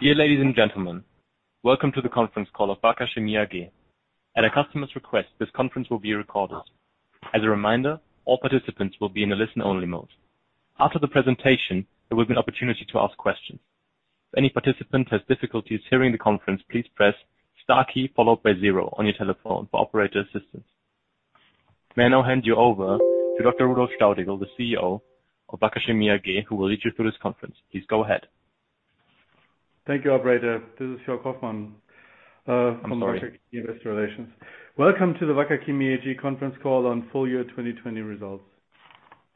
Dear ladies and gentlemen, welcome to the conference call of Wacker Chemie AG. At a customer's request, this conference will be recorded. As a reminder, all participants will be in a listen-only mode. After the presentation, there will be an opportunity to ask questions. May I now hand you over to Dr. Rudolf Staudigl, the CEO of Wacker Chemie AG, who will lead you through this conference. Please go ahead. Thank you, operator. This is Joerg Hoffmann. I'm sorry from Wacker Investor Relations. Welcome to the Wacker Chemie AG conference call on full year 2020 results.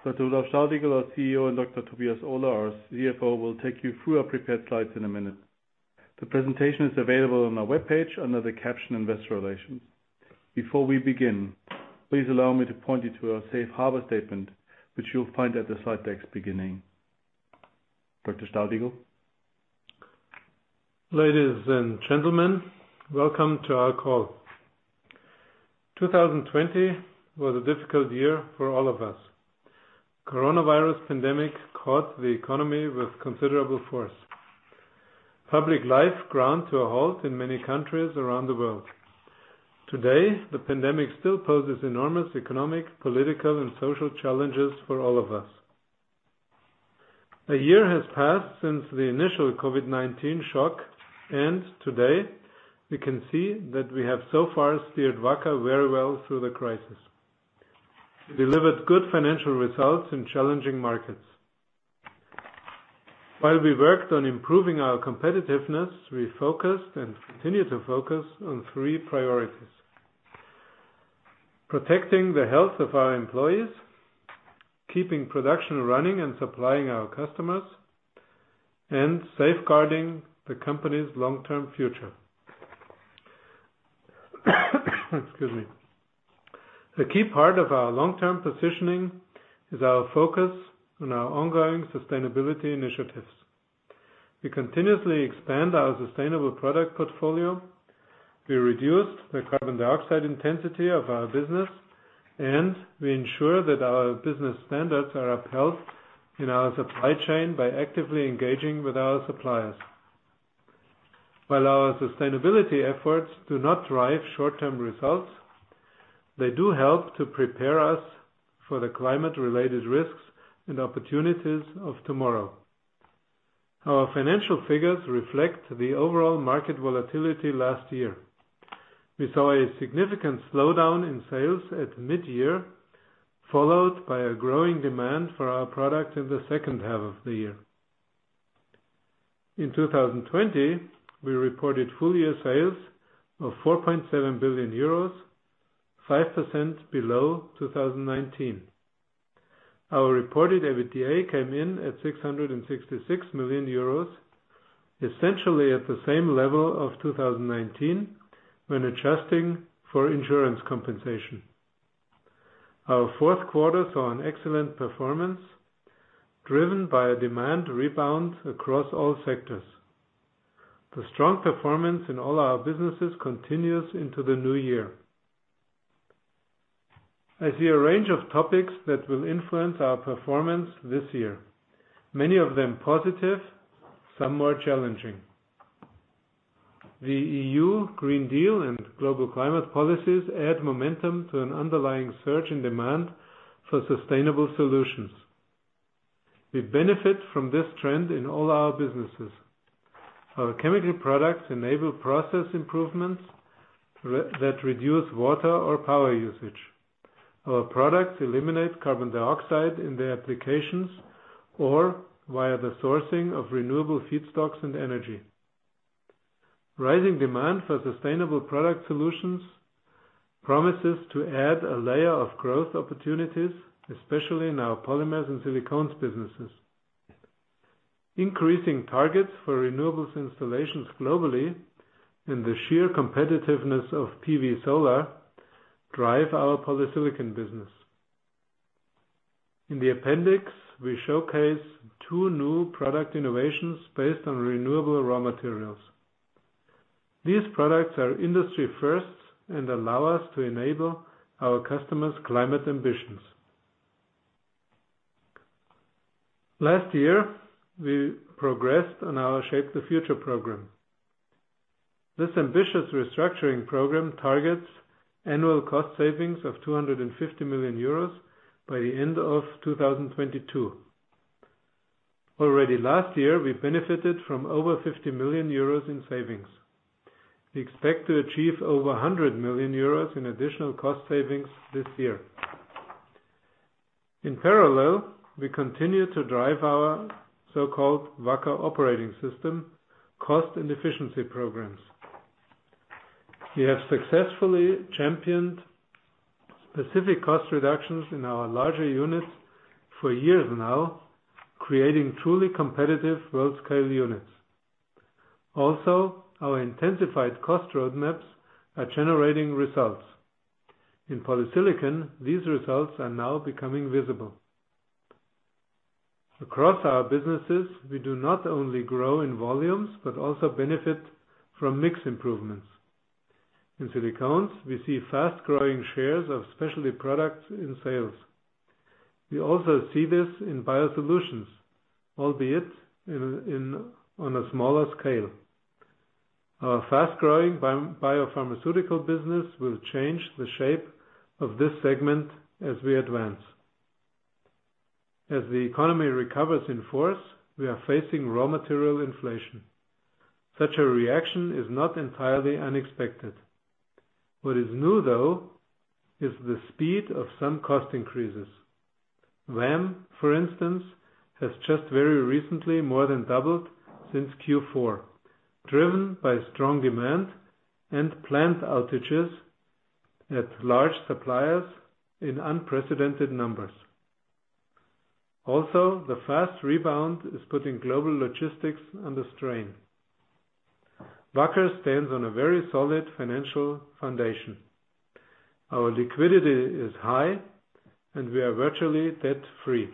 Dr. Rudolf Staudigl, our CEO, and Dr. Tobias Ohler, our CFO, will take you through our prepared slides in a minute. The presentation is available on our webpage under the caption Investor Relations. Before we begin, please allow me to point you to our Safe Harbor statement, which you'll find at the slide deck's beginning. Dr. Staudigl. Ladies and gentlemen, welcome to our call. 2020 was a difficult year for all of us. Coronavirus Pandemic caught the economy with considerable force. Public life ground to a halt in many countries around the world. Today, the Pandemic still poses enormous economic, political, and social challenges for all of us. A year has passed since the initial COVID-19 shock. Today we can see that we have so far steered Wacker very well through the crisis. We delivered good financial results in challenging markets. While we worked on improving our competitiveness, we focused and continue to focus on three priorities: protecting the health of our employees, keeping production running and supplying our customers, and safeguarding the company's long-term future. Excuse me. A key part of our long-term positioning is our focus on our ongoing sustainability initiatives. We continuously expand our sustainable product portfolio. We reduced the carbon dioxide intensity of our business. We ensure that our business standards are upheld in our supply chain by actively engaging with our suppliers. While our sustainability efforts do not drive short-term results, they do help to prepare us for the climate-related risks and opportunities of tomorrow. Our financial figures reflect the overall market volatility last year. We saw a significant slowdown in sales at mid-year, followed by a growing demand for our product in the second half of the year. In 2020, we reported full-year sales of 4.7 billion euros, 5% below 2019. Our reported EBITDA came in at 666 million euros, essentially at the same level of 2019 when adjusting for insurance compensation. Our fourth quarter saw an excellent performance driven by a demand rebound across all sectors. The strong performance in all our businesses continues into the new year. I see a range of topics that will influence our performance this year, many of them positive, some more challenging. The European Green Deal and global climate policies add momentum to an underlying surge in demand for sustainable solutions. We benefit from this trend in all our businesses. Our chemical products enable process improvements that reduce water or power usage. Our products eliminate carbon dioxide in their applications or via the sourcing of renewable feedstocks and energy. Rising demand for sustainable product solutions promises to add a layer of growth opportunities, especially in our polymers and silicones businesses. Increasing targets for renewables installations globally and the sheer competitiveness of PV solar drive our polysilicon business. In the appendix, we showcase two new product innovations based on renewable raw materials. These products are industry firsts and allow us to enable our customers' climate ambitions. Last year, we progressed on our Shape the Future program. This ambitious restructuring program targets annual cost savings of 250 million euros by the end of 2022. Already last year, we benefited from over 50 million euros in savings. We expect to achieve over 100 million euros in additional cost savings this year. In parallel, we continue to drive our so-called Wacker Operating System cost and efficiency programs. We have successfully championed specific cost reductions in our larger units for years now, creating truly competitive world-scale units. Also, our intensified cost roadmaps are generating results. In polysilicon, these results are now becoming visible. Across our businesses, we do not only grow in volumes but also benefit from mix improvements. In silicones, we see fast-growing shares of specialty products in sales. We also see this in Biosolutions, albeit on a smaller scale. Our fast-growing biopharmaceutical business will change the shape of this segment as we advance. As the economy recovers in force, we are facing raw material inflation. Such a reaction is not entirely unexpected. What is new, though, is the speed of some cost increases. VAM, for instance, has just very recently more than doubled since Q4, driven by strong demand and plant outages at large suppliers in unprecedented numbers. The fast rebound is putting global logistics under strain. Wacker stands on a very solid financial foundation. Our liquidity is high, and we are virtually debt-free.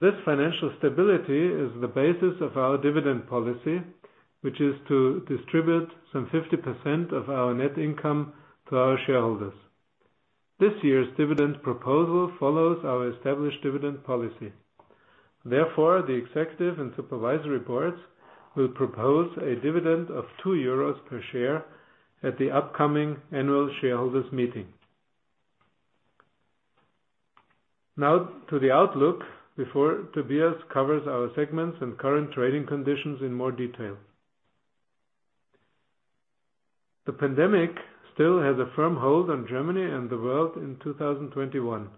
This financial stability is the basis of our dividend policy, which is to distribute some 50% of our net income to our shareholders. This year's dividend proposal follows our established dividend policy. The executive and supervisory boards will propose a dividend of 2 euros per share at the upcoming annual shareholders meeting. Now to the outlook before Tobias covers our segments and current trading conditions in more detail. The pandemic still has a firm hold on Germany and the world in 2021.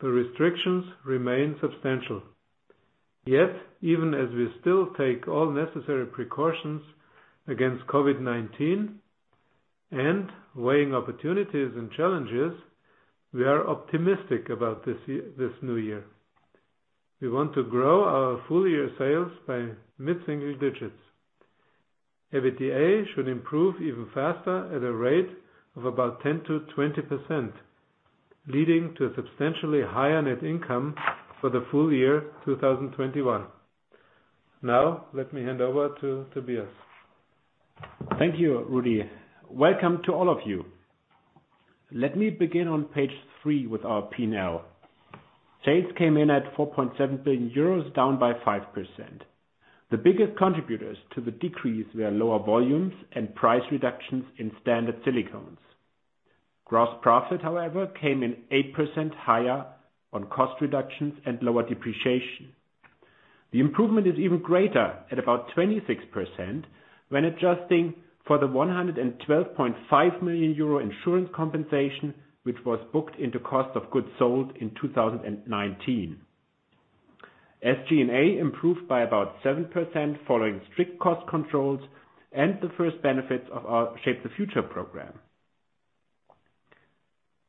The restrictions remain substantial. Yet, even as we still take all necessary precautions against COVID-19 and weighing opportunities and challenges, we are optimistic about this new year. We want to grow our full year sales by mid-single digits. EBITDA should improve even faster at a rate of about 10%-20%, leading to a substantially higher net income for the full year 2021. Now, let me hand over to Tobias. Thank you, Rudi. Welcome to all of you. Let me begin on page three with our P&L. Sales came in at 4.7 billion euros, down by 5%. The biggest contributors to the decrease were lower volumes and price reductions in standard silicones. Gross profit, however, came in 8% higher on cost reductions and lower depreciation. The improvement is even greater, at about 26%, when adjusting for the 112.5 million euro insurance compensation, which was booked into cost of goods sold in 2019. SG&A improved by about 7% following strict cost controls and the first benefits of our Shape the Future program.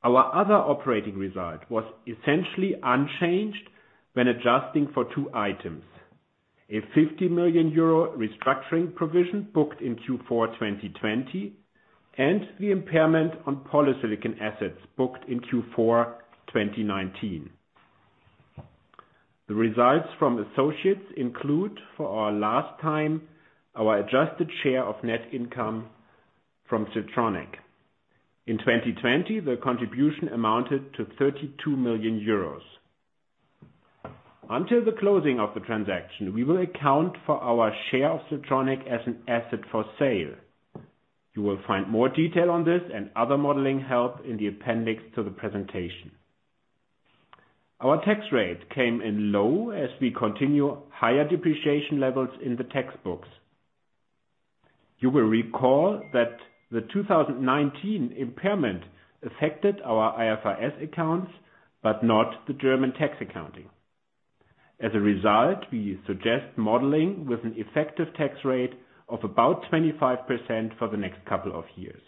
Our other operating result was essentially unchanged when adjusting for two items: a 50 million euro restructuring provision booked in Q4 2020 and the impairment on polysilicon assets booked in Q4 2019. The results from associates include, for our last time, our Adjusted Share of Net Income from Siltronic. In 2020, the contribution amounted to 32 million euros. Until the closing of the transaction, we will account for our share of Siltronic as an asset for sale. You will find more detail on this and other modeling help in the appendix to the presentation. Our tax rate came in low as we continue higher depreciation levels in the tax books. You will recall that the 2019 impairment affected our IFRS accounts, but not the German tax accounting. As a result, we suggest modeling with an effective tax rate of about 25% for the next couple of years.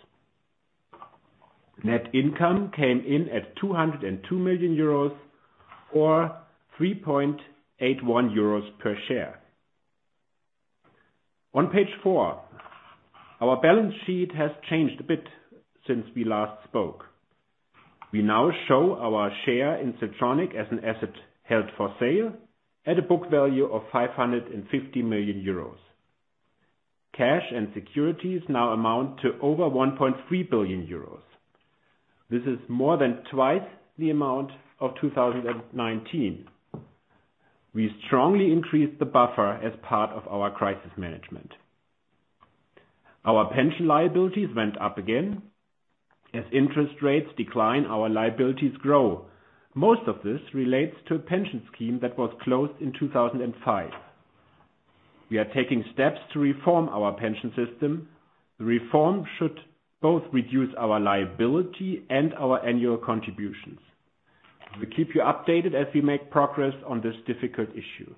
Net income came in at 202 million euros or 3.81 euros per share. On page four, our balance sheet has changed a bit since we last spoke. We now show our share in Siltronic as an asset held for sale at a book value of 550 million euros. Cash and securities now amount to over 1.3 billion euros. This is more than twice the amount of 2019. We strongly increased the buffer as part of our crisis management. Our pension liabilities went up again. As interest rates decline, our liabilities grow. Most of this relates to a pension scheme that was closed in 2005. We are taking steps to reform our pension system. The reform should both reduce our liability and our annual contributions. We'll keep you updated as we make progress on this difficult issue.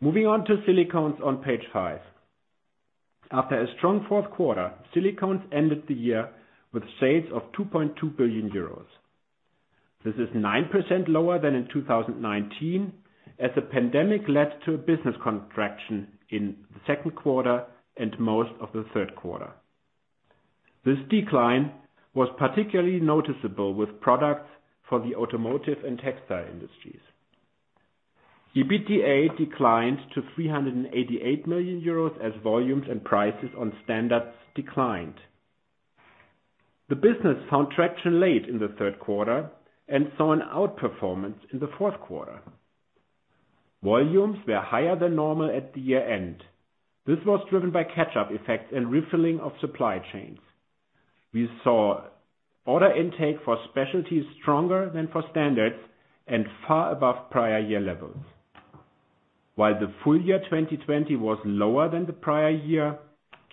Moving on to silicones on page five. After a strong fourth quarter, silicones ended the year with sales of 2.2 billion euros. This is 9% lower than in 2019, as the pandemic led to a business contraction in the second quarter and most of the third quarter. This decline was particularly noticeable with products for the automotive and textile industries. EBITDA declined to 388 million euros as volumes and prices on standards declined. The business found traction late in the third quarter and saw an outperformance in the fourth quarter. Volumes were higher than normal at the year-end. This was driven by catch-up effects and refilling of supply chains. We saw order intake for specialties stronger than for standards and far above prior year levels. While the full year 2020 was lower than the prior year,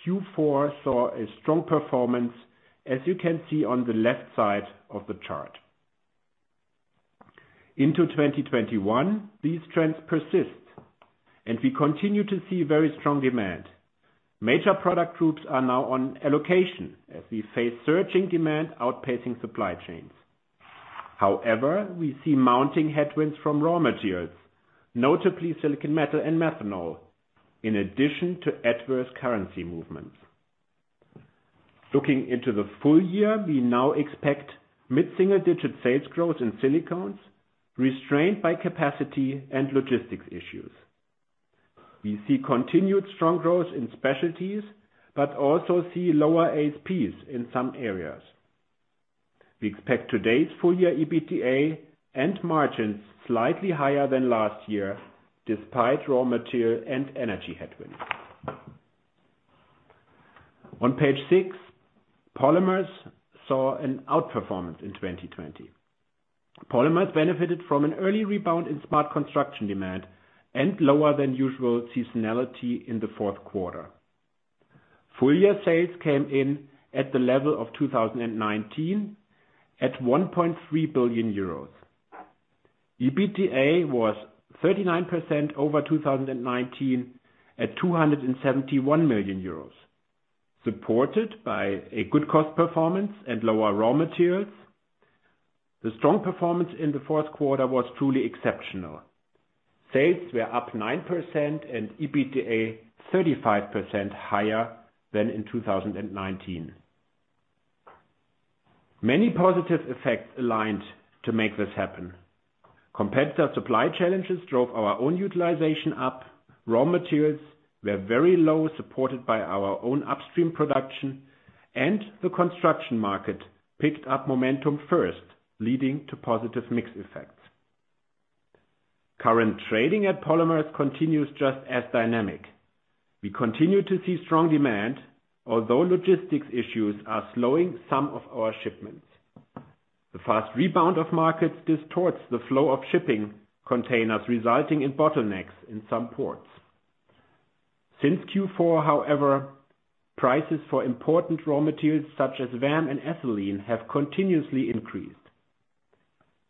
Q4 saw a strong performance, as you can see on the left side of the chart. Into 2021, these trends persist, and we continue to see very strong demand. Major product groups are now on allocation as we face surging demand outpacing supply chains. However, we see mounting headwinds from raw materials, notably silicon metal and methanol, in addition to adverse currency movements. Looking into the full year, we now expect mid-single-digit sales growth in silicones, restrained by capacity and logistics issues. We see continued strong growth in specialties, but also see lower ASPs in some areas. We expect today's full year EBITDA and margins slightly higher than last year, despite raw material and energy headwinds. On page six, polymers saw an outperformance in 2020. Polymers benefited from an early rebound in smart construction demand and lower than usual seasonality in the fourth quarter. Full year sales came in at the level of 2019, at EUR 1.3 billion. EBITDA was 39% over 2019, at 271 million euros, supported by a good cost performance and lower raw materials. The strong performance in the fourth quarter was truly exceptional. Sales were up 9% and EBITDA 35% higher than in 2019. Many positive effects aligned to make this happen. Competitor supply challenges drove our own utilization up. Raw materials were very low, supported by our own upstream production, and the construction market picked up momentum first, leading to positive mix effects. Current trading at Polymers continues just as dynamic. We continue to see strong demand, although logistics issues are slowing some of our shipments. The fast rebound of markets distorts the flow of shipping containers, resulting in bottlenecks in some ports. Since Q4, however, prices for important raw materials such as VAM and ethylene have continuously increased.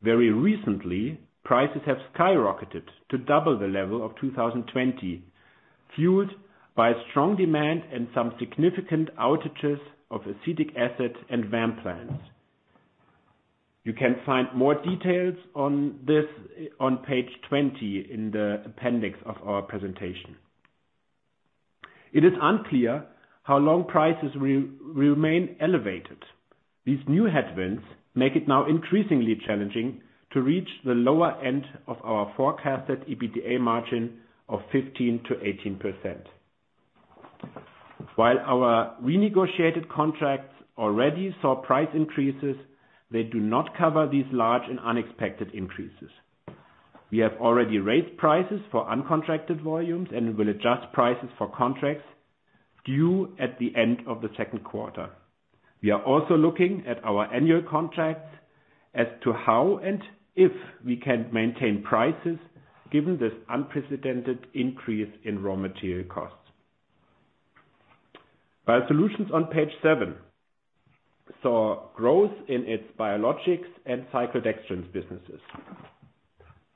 Very recently, prices have skyrocketed to double the level of 2020, fueled by strong demand and some significant outages of acetic acid and VAM plants. You can find more details on this on page 20 in the appendix of our presentation. It is unclear how long prices will remain elevated. These new headwinds make it now increasingly challenging to reach the lower end of our forecasted EBITDA margin of 15%-18%. While our renegotiated contracts already saw price increases, they do not cover these large and unexpected increases. We have already raised prices for uncontracted volumes and will adjust prices for contracts due at the end of the second quarter. We are also looking at our annual contracts as to how and if we can maintain prices given this unprecedented increase in raw material costs. Biosolutions on page seven saw growth in its biologics and cyclodextrins businesses.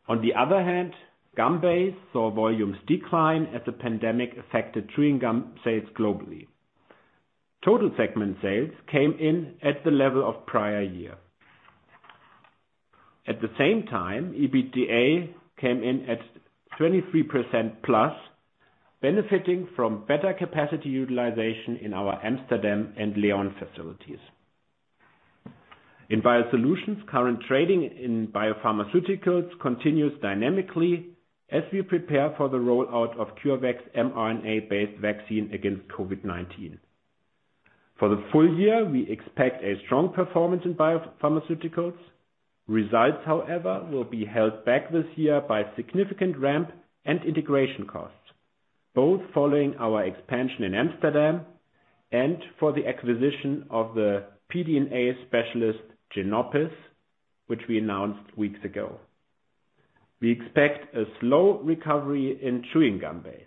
On the other hand, gum base saw volumes decline as the pandemic affected chewing gum sales globally. Total segment sales came in at the level of prior year. At the same time, EBITDA came in at 23% plus, benefiting from better capacity utilization in our Amsterdam and León facilities. In Biosolutions, current trading in biopharmaceuticals continues dynamically as we prepare for the rollout of CureVac's mRNA-based vaccine against COVID-19. For the full year, we expect a strong performance in biopharmaceuticals. Results, however, will be held back this year by significant ramp and integration costs, both following our expansion in Amsterdam and for the acquisition of the pDNA specialist, Genopis, which we announced weeks ago. We expect a slow recovery in chewing gum base.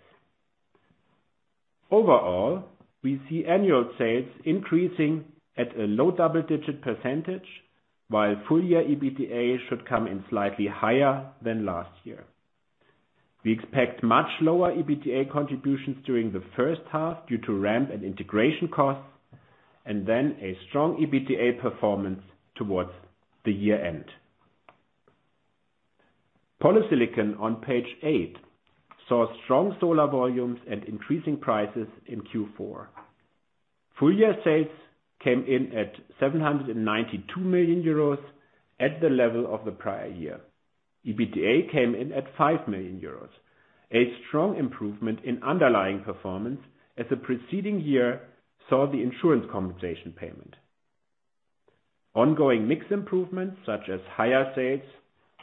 Overall, we see annual sales increasing at a low double-digit percentage, while full year EBITDA should come in slightly higher than last year. We expect much lower EBITDA contributions during the first half due to ramp and integration costs, and then a strong EBITDA performance towards the year-end. Polysilicon on page eight saw strong solar volumes and increasing prices in Q4. Full-year sales came in at 792 million euros at the level of the prior year. EBITDA came in at 5 million euros. A strong improvement in underlying performance as the preceding year saw the insurance compensation payment. Ongoing mix improvements, such as higher sales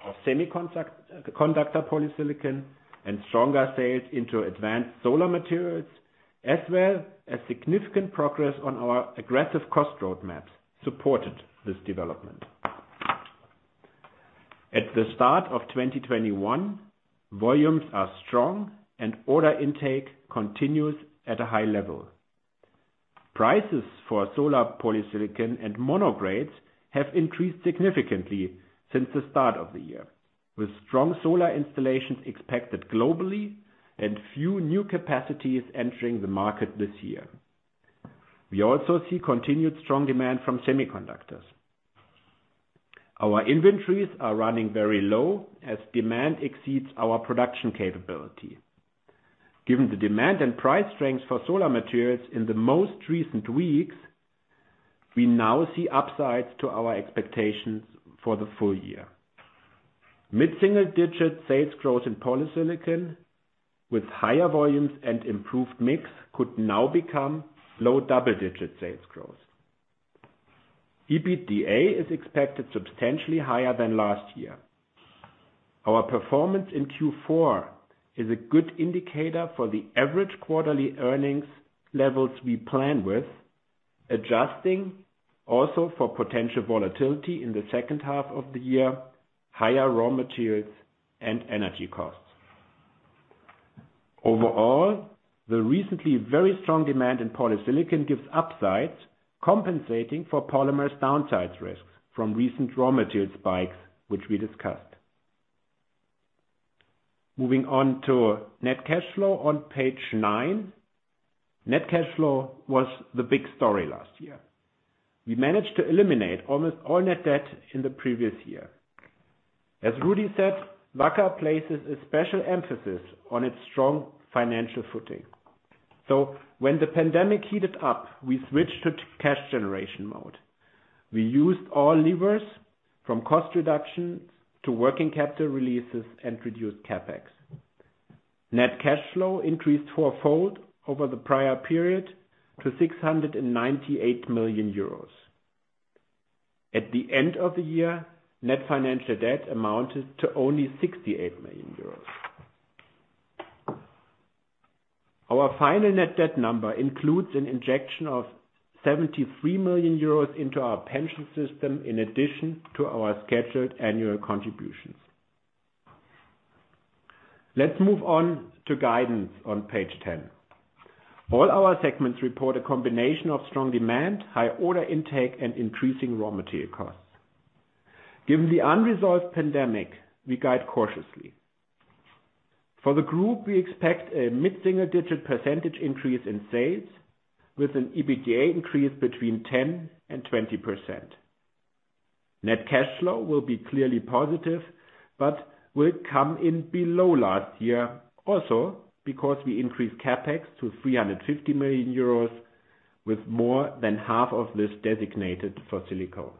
of semiconductor polysilicon and stronger sales into advanced solar materials, as well as significant progress on our aggressive cost roadmaps supported this development. At the start of 2021, volumes are strong and order intake continues at a high level. Prices for solar polysilicon and mono grades have increased significantly since the start of the year, with strong solar installations expected globally and few new capacities entering the market this year. We also see continued strong demand from semiconductors. Our inventories are running very low as demand exceeds our production capability. Given the demand and price strength for solar materials in the most recent weeks, we now see upsides to our expectations for the full year. Mid-single digit sales growth in polysilicon with higher volumes and improved mix could now become low double-digit sales growth. EBITDA is expected substantially higher than last year. Our performance in Q4 is a good indicator for the average quarterly earnings levels we plan with, adjusting also for potential volatility in the second half of the year, higher raw materials and energy costs. Overall, the recently very strong demand in polysilicon gives upsides, compensating for polymers downside risks from recent raw material spikes, which we discussed. Moving on to net cash flow on page nine. Net cash flow was the big story last year. We managed to eliminate almost all net debt in the previous year. As Rudi said, Wacker places a special emphasis on its strong financial footing. When the pandemic heated up, we switched to cash generation mode. We used all levers, from cost reductions to working capital releases and reduced CapEx. Net cash flow increased fourfold over the prior period to 698 million euros. At the end of the year, net financial debt amounted to only 68 million euros. Our final net debt number includes an injection of 73 million euros into our pension system, in addition to our scheduled annual contributions. Let's move on to guidance on page 10. All our segments report a combination of strong demand, high order intake, and increasing raw material costs. Given the unresolved pandemic, we guide cautiously. For the group, we expect a mid-single digit percentage increase in sales, with an EBITDA increase between 10% and 20%. Net cash flow will be clearly positive, but will come in below last year also because we increased CapEx to 350 million euros, with more than half of this designated for silicon.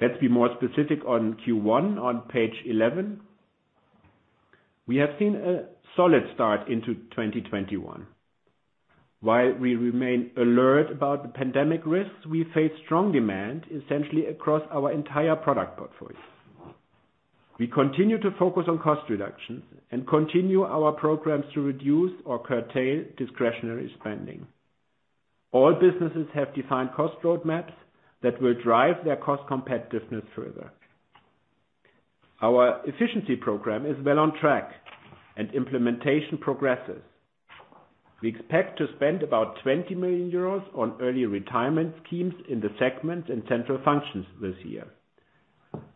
Let's be more specific on Q1 on page 11. We have seen a solid start into 2021. While we remain alert about the pandemic risks, we face strong demand essentially across our entire product portfolio. We continue to focus on cost reductions and continue our programs to reduce or curtail discretionary spending. All businesses have defined cost roadmaps that will drive their cost competitiveness further. Our efficiency program is well on track and implementation progresses. We expect to spend about 20 million euros on early retirement schemes in the segment and central functions this year.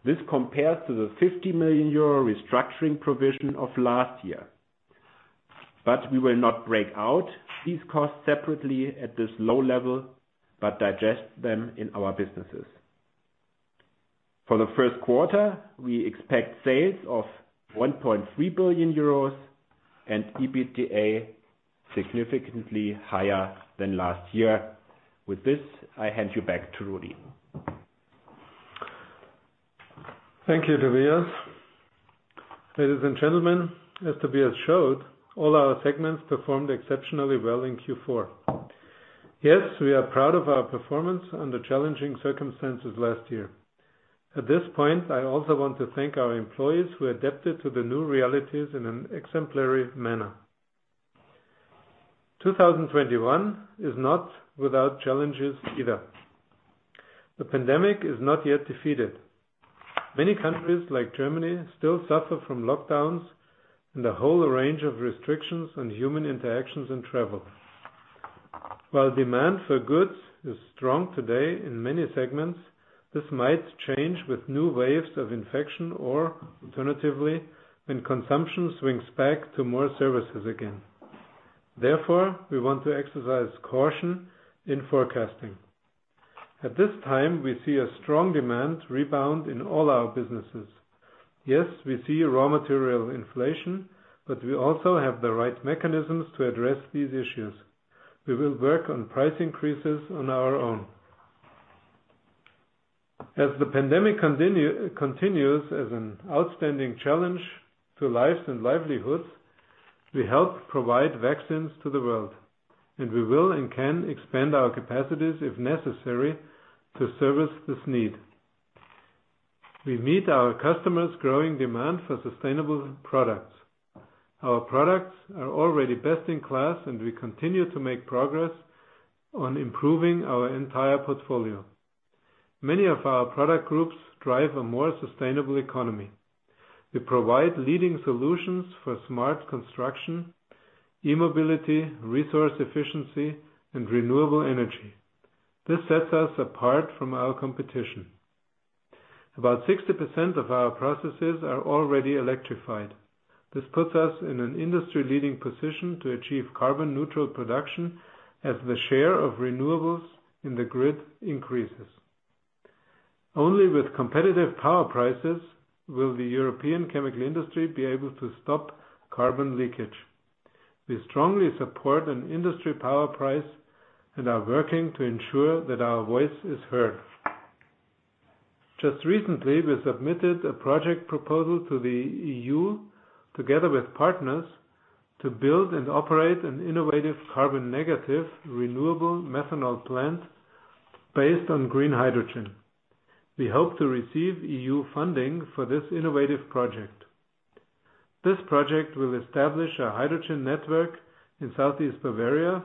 This compares to the 50 million euro restructuring provision of last year. We will not break out these costs separately at this low level, but digest them in our businesses. For the first quarter, we expect sales of 1.3 billion euros and EBITDA significantly higher than last year. With this, I hand you back to Rudi. Thank you, Tobias. Ladies and gentlemen, as Tobias showed, all our segments performed exceptionally well in Q4. Yes, we are proud of our performance under challenging circumstances last year. At this point, I also want to thank our employees who adapted to the new realities in an exemplary manner. 2021 is not without challenges either. The pandemic is not yet defeated. Many countries like Germany still suffer from lockdowns and a whole range of restrictions on human interactions and travel. While demand for goods is strong today in many segments, this might change with new waves of infection or, alternatively, when consumption swings back to more services again. Therefore, we want to exercise caution in forecasting. At this time, we see a strong demand rebound in all our businesses. Yes, we see raw material inflation, but we also have the right mechanisms to address these issues. We will work on price increases on our own. As the pandemic continues as an outstanding challenge to lives and livelihoods, we help provide vaccines to the world, and we will and can expand our capacities if necessary to service this need. We meet our customers' growing demand for sustainable products. Our products are already best in class, and we continue to make progress on improving our entire portfolio. Many of our product groups drive a more sustainable economy. We provide leading solutions for smart construction, e-mobility, resource efficiency, and renewable energy. This sets us apart from our competition. About 60% of our processes are already electrified. This puts us in an industry-leading position to achieve carbon-neutral production as the share of renewables in the grid increases. Only with competitive power prices will the European chemical industry be able to stop carbon leakage. We strongly support an industry power price and are working to ensure that our voice is heard. Just recently, we submitted a project proposal to the EU, together with partners, to build and operate an innovative carbon-negative, renewable methanol plant based on green hydrogen. We hope to receive EU funding for this innovative project. This project will establish a hydrogen network in Southeast Bavaria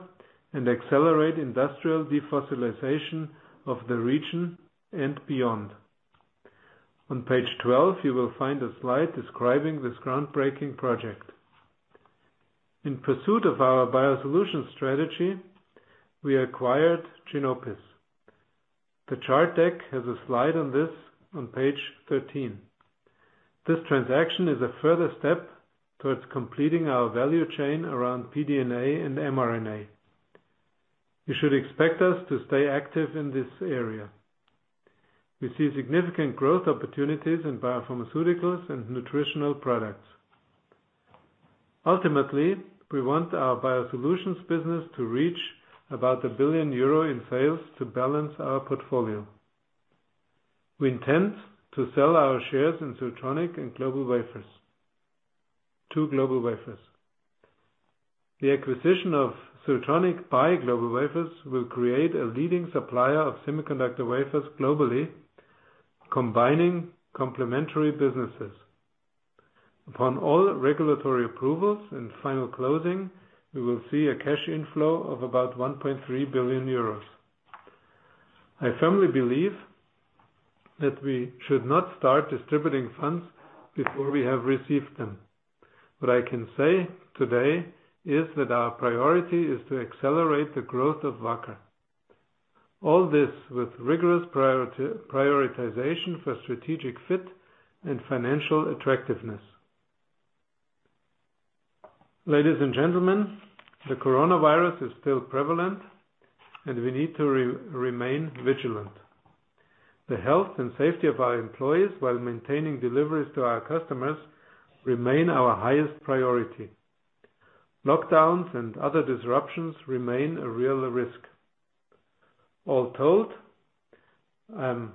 and accelerate industrial defossilization of the region and beyond. On page 12, you will find a slide describing this groundbreaking project. In pursuit of our Biosolutions strategy, we acquired Genopis. The chart deck has a slide on this on page 13. This transaction is a further step towards completing our value chain around pDNA and mRNA. You should expect us to stay active in this area. We see significant growth opportunities in biopharmaceuticals and nutritional products. Ultimately, we want our Biosolutions business to reach about 1 billion euro in sales to balance our portfolio. We intend to sell our shares in Siltronic and GlobalWafers. The acquisition of Siltronic by GlobalWafers will create a leading supplier of semiconductor wafers globally, combining complementary businesses. Upon all regulatory approvals and final closing, we will see a cash inflow of about 1.3 billion euros. I firmly believe that we should not start distributing funds before we have received them. What I can say today is that our priority is to accelerate the growth of Wacker. All this with rigorous prioritization for strategic fit and financial attractiveness. Ladies and gentlemen, the coronavirus is still prevalent, and we need to remain vigilant. The health and safety of our employees, while maintaining deliveries to our customers, remain our highest priority. Lockdowns and other disruptions remain a real risk. All told, I'm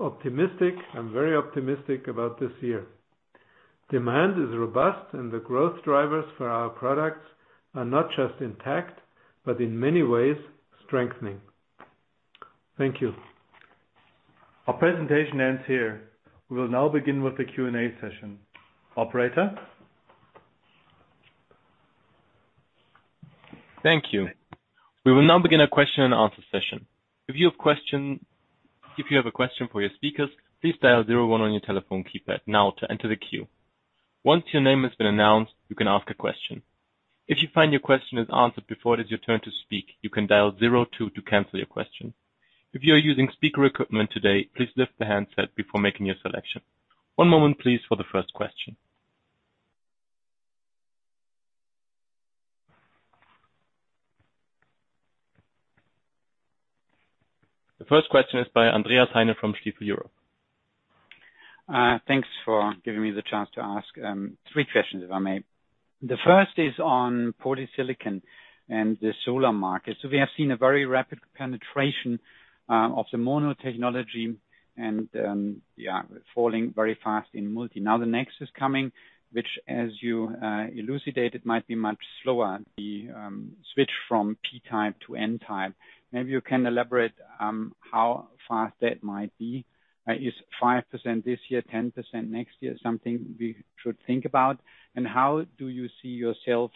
optimistic. I'm very optimistic about this year. Demand is robust, and the growth drivers for our products are not just intact, but in many ways strengthening. Thank you. Our presentation ends here. We will now begin with the Q&A session. Operator? Thank you. We will now begin a question and answer session. If you have a question for your speakers, please dial zero one on your telephone keypad now to enter the queue. Once your name has been announced, you can ask a question. If you find your question is answered before it is your turn to speak, you can dial zero two to cancel your question. If you are using speaker equipment today, please lift the handset before making your selection. One moment, please, for the first question. The first question is by Andreas Heine from Stifel Europe. Thanks for giving me the chance to ask three questions, if I may. The first is on polysilicon and the solar market. We have seen a very rapid penetration of the mono technology and, yeah, falling very fast in multi. Now the next is coming, which, as you elucidated, might be much slower, the switch from P-type to N-type. Maybe you can elaborate on how fast that might be. Is 5% this year, 10% next year something we should think about? How do you see yourself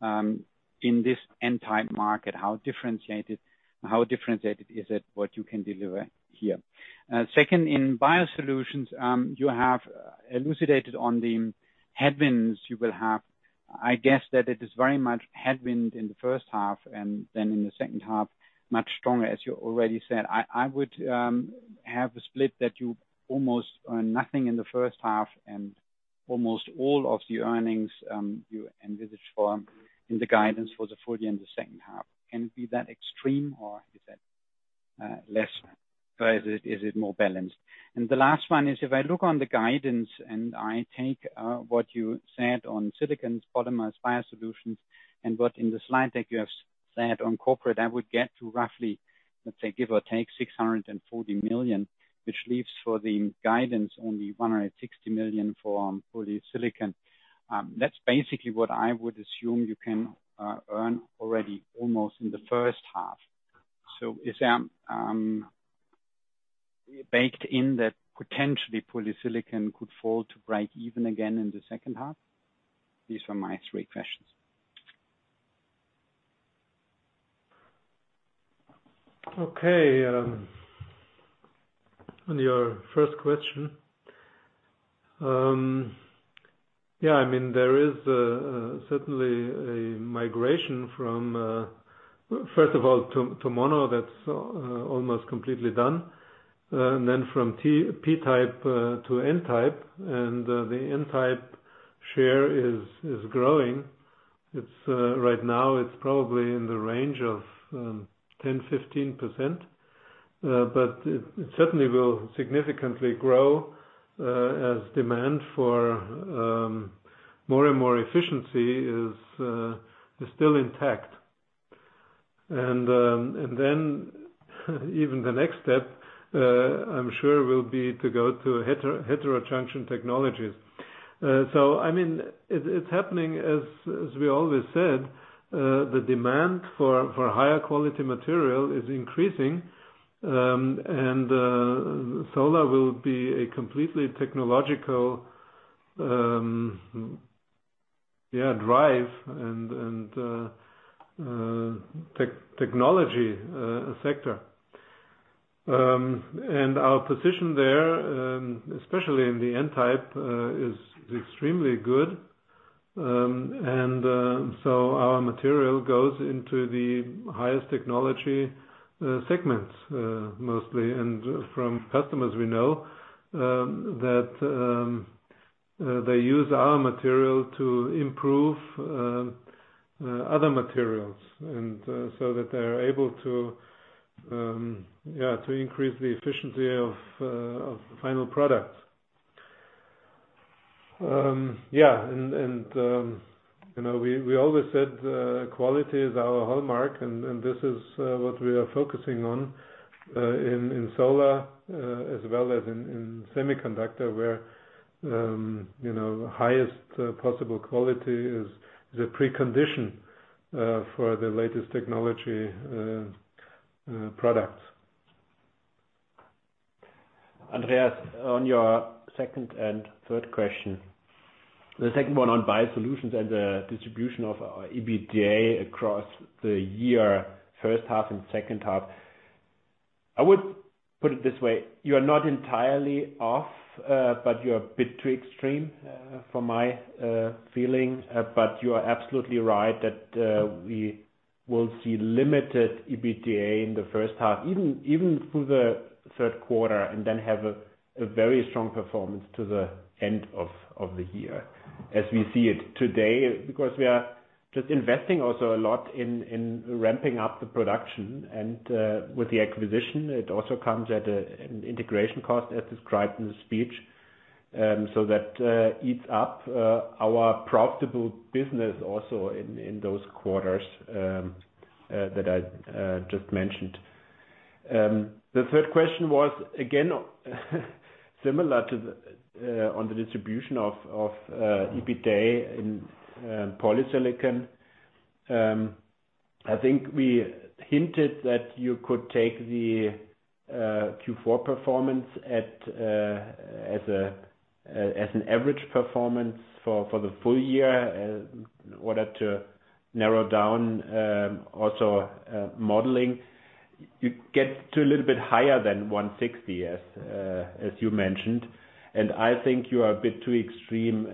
in this N-type market? How differentiated is it, what you can deliver here? Second, in Biosolutions, you have elucidated on the headwinds you will have. I guess that it is very much headwind in the first half and then in the second half, much stronger, as you already said. I would have a split that you almost earn nothing in the first half and almost all of the earnings you envisage for in the guidance for the full year in the second half. Can it be that extreme or is that less, or is it more balanced? The last one is, if I look on the guidance and I take what you said on silicones polymers Biosolutions and what in the slide deck you have said on corporate, I would get to roughly, let's say, give or take, 640 million, which leaves for the guidance only 160 million for polysilicon. That's basically what I would assume you can earn already almost in the first half. Is that baked in that potentially polysilicon could fall to break even again in the second half? These are my three questions. Okay. On your first question, there is certainly a migration from, first of all, to mono. That's almost completely done. Then from P-type to N-type. The N-type share is growing. Right now it's probably in the range of 10%-15%, but it certainly will significantly grow, as demand for more and more efficiency is still intact. Then even the next step, I'm sure, will be to go to heterojunction technologies. It's happening as we always said. The demand for higher quality material is increasing, and solar will be a completely technological drive and technology sector. Our position there, especially in the N-type, is extremely good. Our material goes into the highest technology segments, mostly. From customers we know that they use our material to improve other materials, and so that they are able to increase the efficiency of the final product. We always said quality is our hallmark, and this is what we are focusing on, in solar, as well as in semiconductor, where highest possible quality is a precondition for the latest technology products. Andreas, on your second and third question. The second one on Biosolutions and the distribution of our EBITDA across the year, first half and second half. I would put it this way. You are not entirely off, but you are a bit too extreme for my feeling. You are absolutely right that we will see limited EBITDA in the first half, even through the third quarter, and then have a very strong performance to the end of the year as we see it today, because we are just investing also a lot in ramping up the production. With the acquisition, it also comes at an integration cost as described in the speech. That eats up our profitable business also in those quarters that I just mentioned. The third question was, again, similar on the distribution of EBITDA in polysilicon. I think we hinted that you could take the Q4 performance as an average performance for the full year in order to narrow down also modeling. You get to a little bit higher than 160 million, as you mentioned. I think you are a bit too extreme.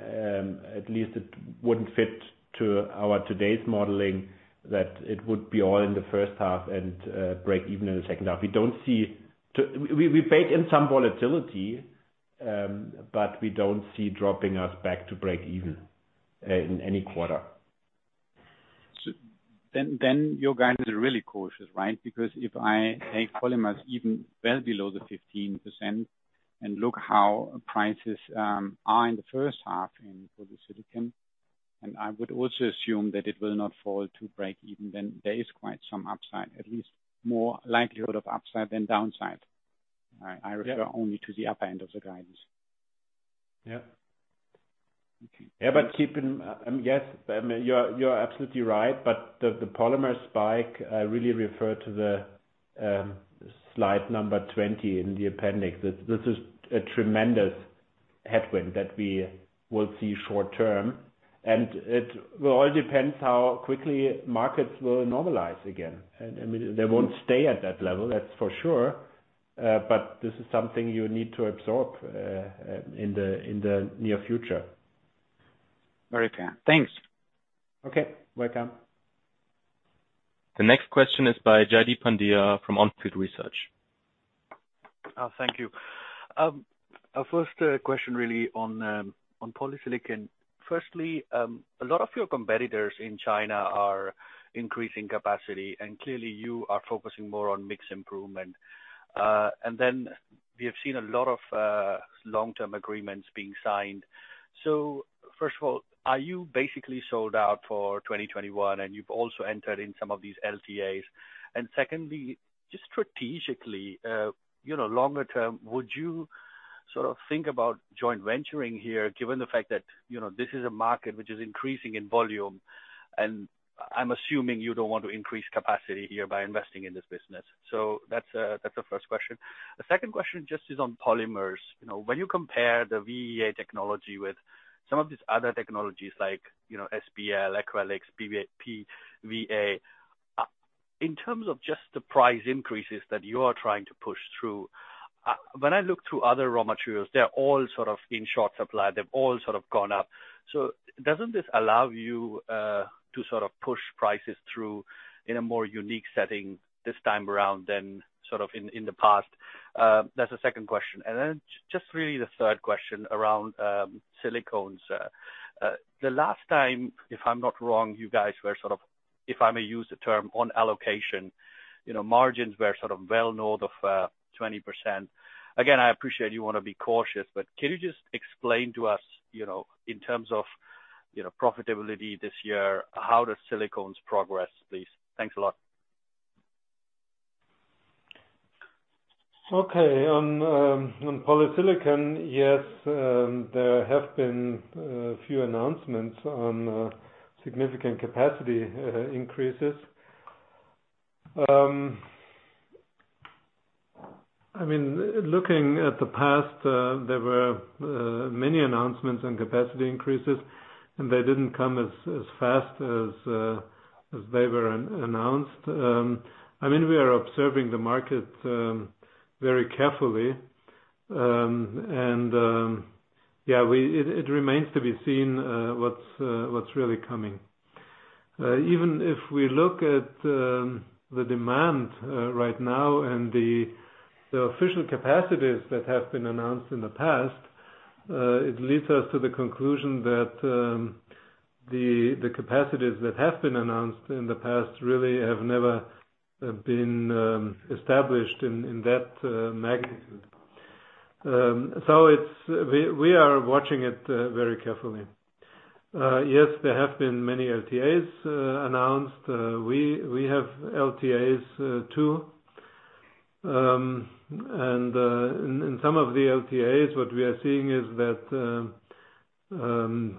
At least it wouldn't fit to our today's modeling that it would be all in the first half and break even in the second half. We baked in some volatility, but we don't see dropping us back to break even in any quarter. Your guidance is really cautious, right? If I take polymers even well below the 15% and look how prices are in the first half in polysilicon, I would also assume that it will not fall to break even, there is quite some upside, at least more likelihood of upside than downside. I refer only to the upper end of the guidance. Yeah. Yeah. You are absolutely right. The polymer spike, I really refer to slide 20 in the appendix. This is a tremendous headwind that we will see short term, and it will all depends how quickly markets will normalize again. They won't stay at that level, that's for sure. This is something you need to absorb in the near future. Very clear. Thanks. Okay. Welcome. The next question is by Jaideep Pandya from On Field Investment Research. Thank you. Our first question really on polysilicon. Firstly, a lot of your competitors in China are increasing capacity, and clearly you are focusing more on mix improvement. Then we have seen a lot of long-term agreements being signed. First of all, are you basically sold out for 2021 and you've also entered in some of these LTAs? Secondly, just strategically, longer term, would you think about joint venturing here, given the fact that, this is a market which is increasing in volume, and I'm assuming you don't want to increase capacity here by investing in this business. That's the first question. The second question just is on polymers. When you compare the VAE technology with some of these other technologies like, SBL, Acrylics, PVAc. In terms of just the price increases that you are trying to push through, when I look through other raw materials, they're all sort of in short supply. They've all sort of gone up. Doesn't this allow you to sort of push prices through in a more unique setting this time around than sort of in the past? That's the second question. Just really the third question around silicones. The last time, if I'm not wrong, you guys were sort of, if I may use the term, on allocation. Margins were sort of well north of 20%. Again, I appreciate you want to be cautious, but can you just explain to us in terms of profitability this year, how does silicones progress, please? Thanks a lot. Okay. On polysilicon, yes, there have been a few announcements on significant capacity increases. Looking at the past, there were many announcements on capacity increases, and they didn't come as fast as they were announced. We are observing the market very carefully. Yeah, it remains to be seen what's really coming. Even if we look at the demand right now and the official capacities that have been announced in the past, it leads us to the conclusion that the capacities that have been announced in the past really have never been established in that magnitude. We are watching it very carefully. Yes, there have been many LTAs announced. We have LTAs, too. In some of the LTAs, what we are seeing is that,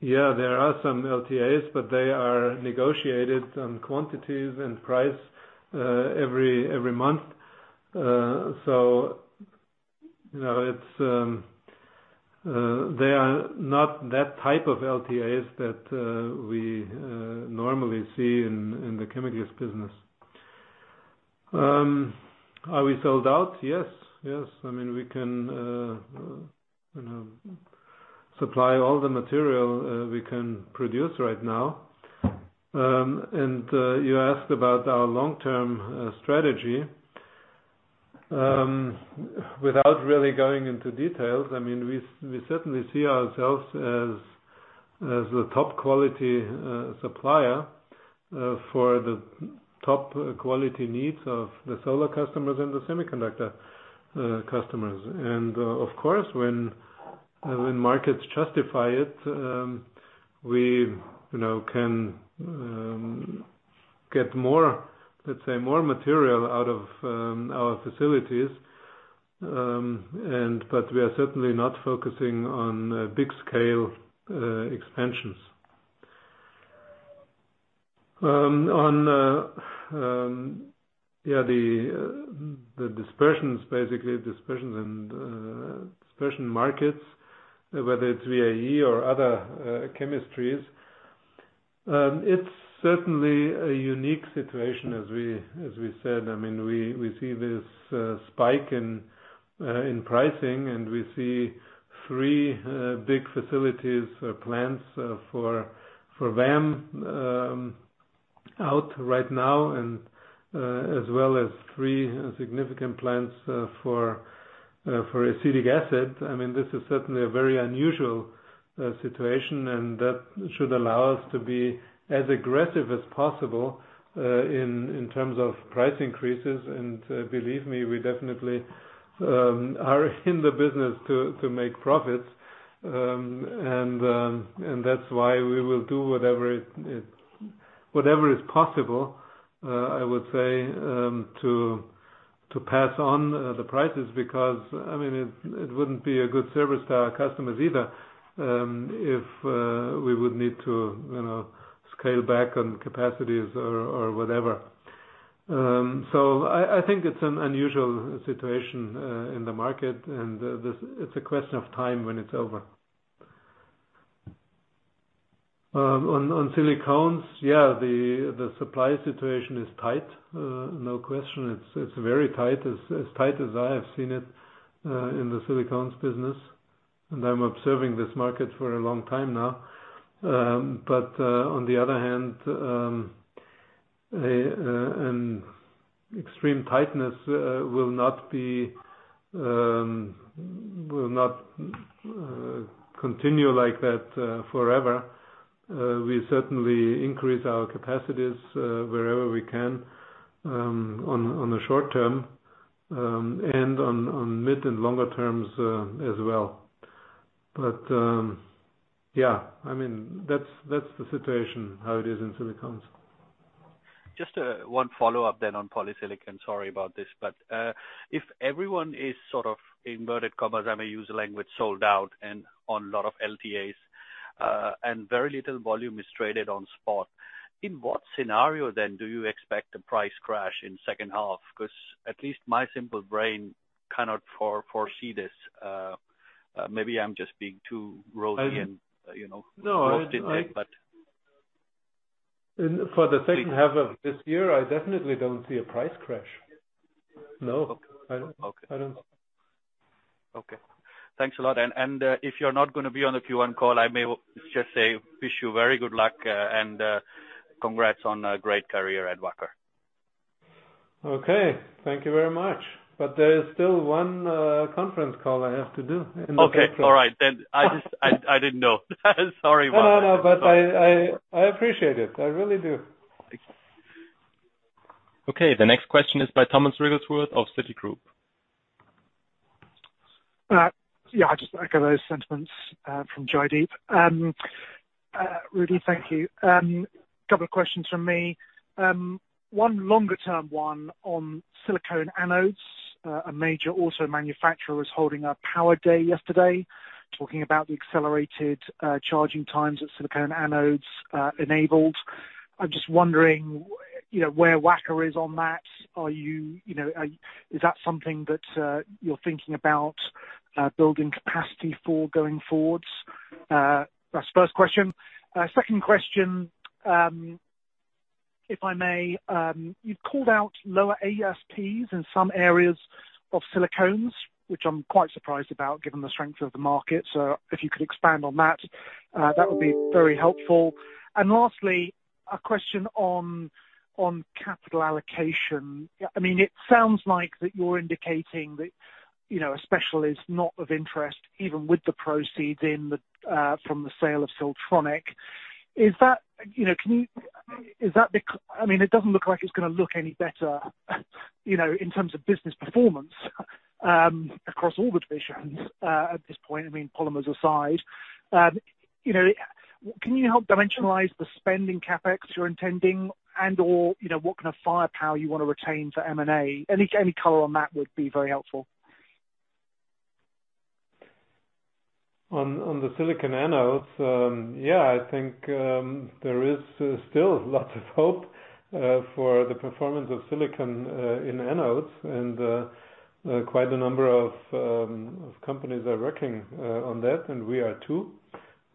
yeah, there are some LTAs, but they are negotiated on quantities and price every month. They are not that type of LTAs that we normally see in the chemicals business. Are we sold out? Yes. We can supply all the material we can produce right now. You asked about our long-term strategy. Without really going into details, we certainly see ourselves as the top quality supplier for the top quality needs of the solar customers and the semiconductor customers. Of course, when markets justify it, we can get more, let's say, more material out of our facilities. We are certainly not focusing on big scale expansions. On the dispersions, basically, dispersions and dispersion markets, whether it's VAE or other chemistries. It's certainly a unique situation, as we said. We see this spike in pricing, and we see three big facilities, plants for VAM out right now and, as well as three significant plants for acetic acid. This is certainly a very unusual situation, and that should allow us to be as aggressive as possible, in terms of price increases. Believe me, we definitely are in the business to make profits. That's why we will do whatever is possible, I would say, to pass on the prices, because it wouldn't be a good service to our customers either, if we would need to scale back on capacities or whatever. I think it's an unusual situation in the market, and it's a question of time when it's over. On silicones, yeah, the supply situation is tight. No question. It's very tight. As tight as I have seen it in the silicones business. I'm observing this market for a long time now. On the other hand, an extreme tightness will not continue like that forever. We certainly increase our capacities wherever we can on the short term, and on mid and longer terms as well. Yeah, that's the situation, how it is in silicones. Just one follow-up on polysilicon. Sorry about this, if everyone is sort of, inverted commas, I may use the language, "sold out" and on a lot of LTAs, and very little volume is traded on spot, in what scenario then do you expect the price crash in second half? At least my simple brain cannot foresee this. No rosy eyed, but. For the second half of this year, I definitely don't see a price crash. No, I don't. Okay. Thanks a lot. If you're not going to be on the Q1 call, I may just say, wish you very good luck, and congrats on a great career at Wacker. Okay. Thank you very much. There is still one conference call I have to do in the future. Okay. All right, then. I didn't know. Sorry about that. No, I appreciate it. I really do. Okay, the next question is by Tom Wrigglesworth of Citigroup. Yeah, I just echo those sentiments from Jaideep. Rudi, thank you. Couple of questions from me. One longer term one on silicon anodes. A major auto manufacturer was holding a power day yesterday, talking about the accelerated charging times that silicon anodes enabled. I'm just wondering, where Wacker is on that. Is that something that you're thinking about building capacity for going forwards? That's the first question. Second question, if I may. You've called out lower ASPs in some areas of silicones, which I'm quite surprised about given the strength of the market. If you could expand on that would be very helpful. Lastly, a question on capital allocation. It sounds like that you're indicating that a specialty is not of interest even with the proceeds in from the sale of Siltronic. It doesn't look like it's going to look any better in terms of business performance across all the divisions at this point, Polymers aside. Can you help dimensionalize the spending CapEx you're intending and/or, what kind of firepower you want to retain for M&A? Any color on that would be very helpful. On the silicon anodes. Yeah, I think, there is still lots of hope for the performance of silicon in anodes and quite a number of companies are working on that, and we are too.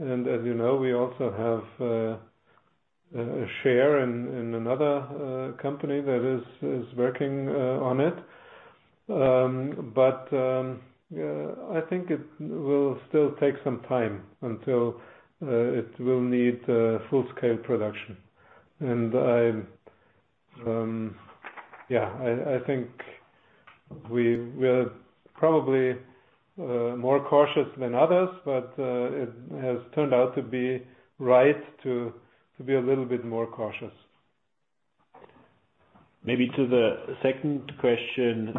As you know, we also have a share in another company that is working on it. I think it will still take some time until it will need full-scale production. I think we're probably more cautious than others, but it has turned out to be right to be a little bit more cautious. Maybe to the second question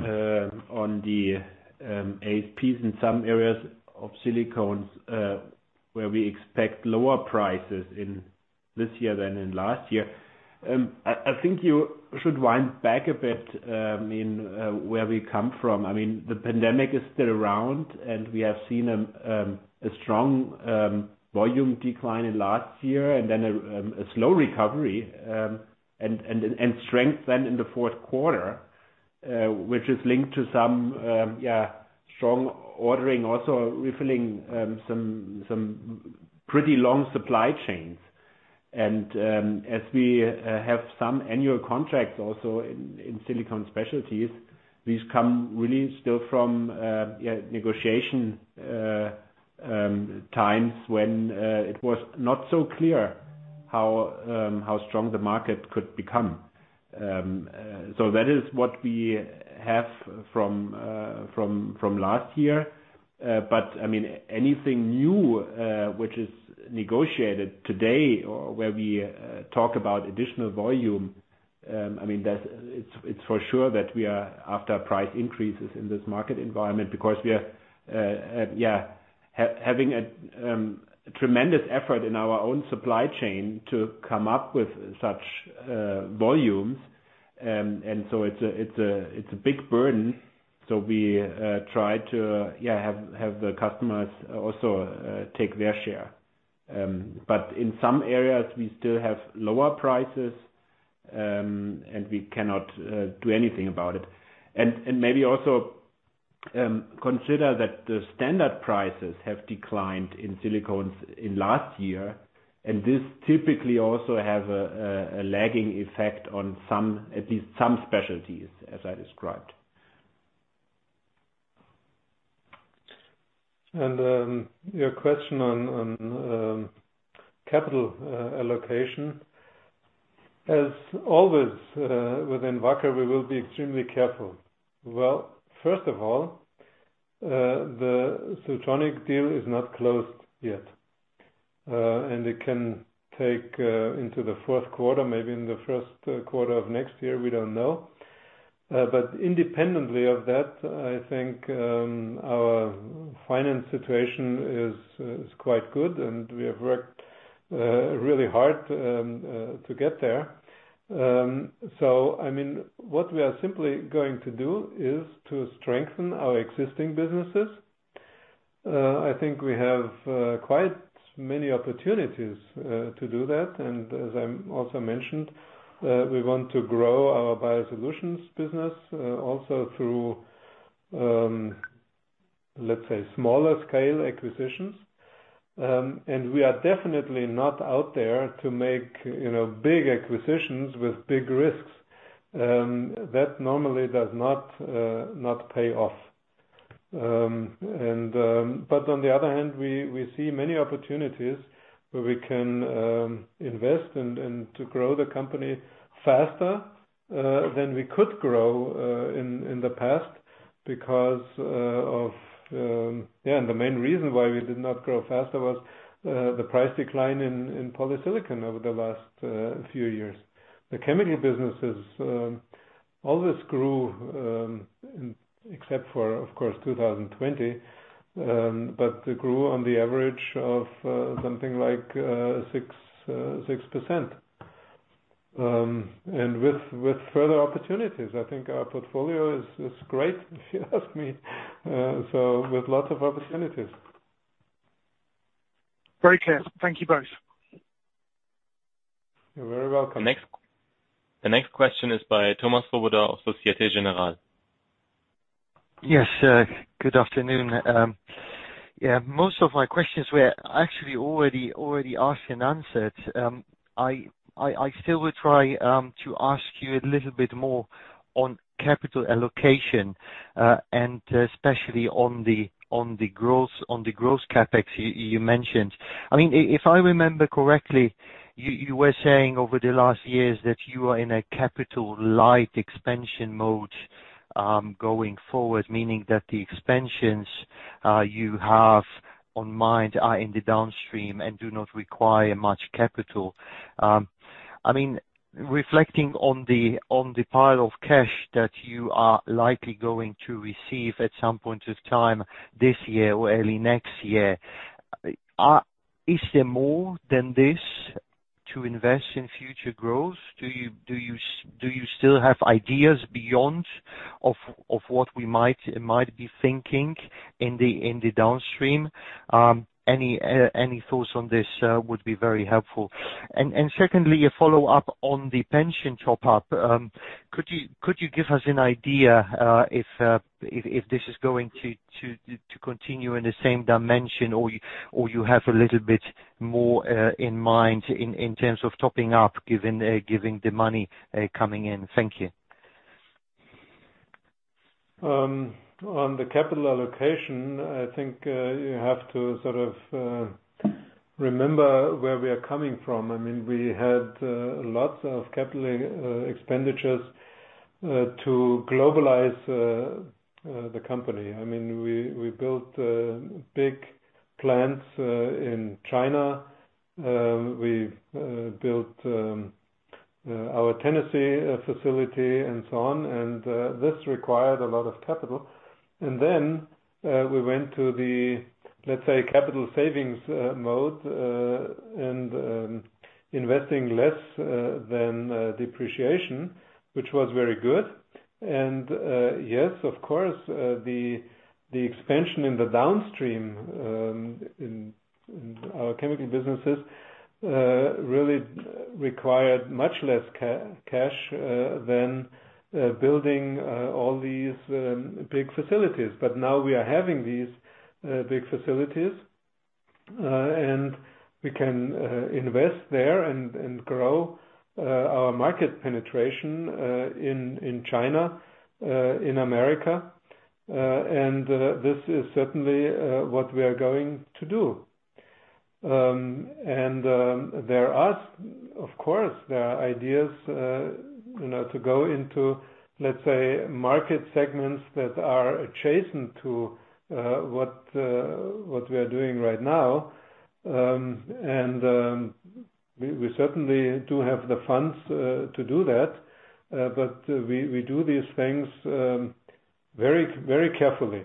on the ASPs in some areas of silicones, where we expect lower prices in this year than in last year. I think you should wind back a bit, in where we come from. The pandemic is still around, and we have seen a strong volume decline in last year and then a slow recovery. Strength then in the fourth quarter, which is linked to some strong ordering, also refilling some pretty long supply chains. As we have some annual contracts also in silicone specialties, these come really still from negotiation times when it was not so clear how strong the market could become. That is what we have from last year. Anything new, which is negotiated today or where we talk about additional volume, it's for sure that we are after price increases in this market environment because we are having a tremendous effort in our own supply chain to come up with such volumes. It's a big burden. We try to have the customers also take their share. In some areas, we still have lower prices, and we cannot do anything about it. Maybe also consider that the standard prices have declined in silicones in last year. This typically also has a lagging effect on at least some specialties, as I described. Your question on capital allocation. As always within Wacker, we will be extremely careful. Well, first of all, the Siltronic deal is not closed yet. It can take into the fourth quarter, maybe in the first quarter of next year, we don't know. Independently of that, I think our finance situation is quite good, and we have worked really hard to get there. What we are simply going to do is to strengthen our existing businesses. I think we have quite many opportunities to do that. As I also mentioned, we want to grow our Biosolutions business also through, let's say, smaller scale acquisitions. We are definitely not out there to make big acquisitions with big risks. That normally does not pay off. On the other hand, we see many opportunities where we can invest and to grow the company faster than we could grow in the past. The main reason why we did not grow faster was the price decline in polysilicon over the last few years. The chemical businesses always grew, except for, of course, 2020, but they grew on the average of something like 6%. With further opportunities. I think our portfolio is great, if you ask me. With lots of opportunities. Very clear. Thank you both. You're very welcome. The next question is by Thomas Swoboda of Société Générale. Good afternoon. Most of my questions were actually already asked and answered. I still will try to ask you a little bit more on capital allocation, and especially on the gross CapEx you mentioned. If I remember correctly, you were saying over the last years that you are in a capital light expansion mode, going forward, meaning that the expansions you have in mind are in the downstream and do not require much capital. Reflecting on the pile of cash that you are likely going to receive at some point in time this year or early next year, is there more than this to invest in future growth? Do you still have ideas beyond what we might be thinking in the downstream? Any thoughts on this would be very helpful. Secondly, a follow-up on the pension top-up. Could you give us an idea if this is going to continue in the same dimension or you have a little bit more in mind in terms of topping up given the money coming in? Thank you. On the capital allocation, I think you have to sort of remember where we are coming from. We had lots of capital expenditures to globalize the company. We built big plants in China. We built our Tennessee facility and so on, and this required a lot of capital. We went to the, let's say, capital savings mode, and investing less than depreciation, which was very good. Yes, of course, the expansion in the downstream in our chemical businesses really required much less cash than building all these big facilities. Now we are having these big facilities, and we can invest there and grow our market penetration in China, in America. This is certainly what we are going to do. There are, of course, ideas to go into, let's say, market segments that are adjacent to what we are doing right now. We certainly do have the funds to do that. We do these things very carefully.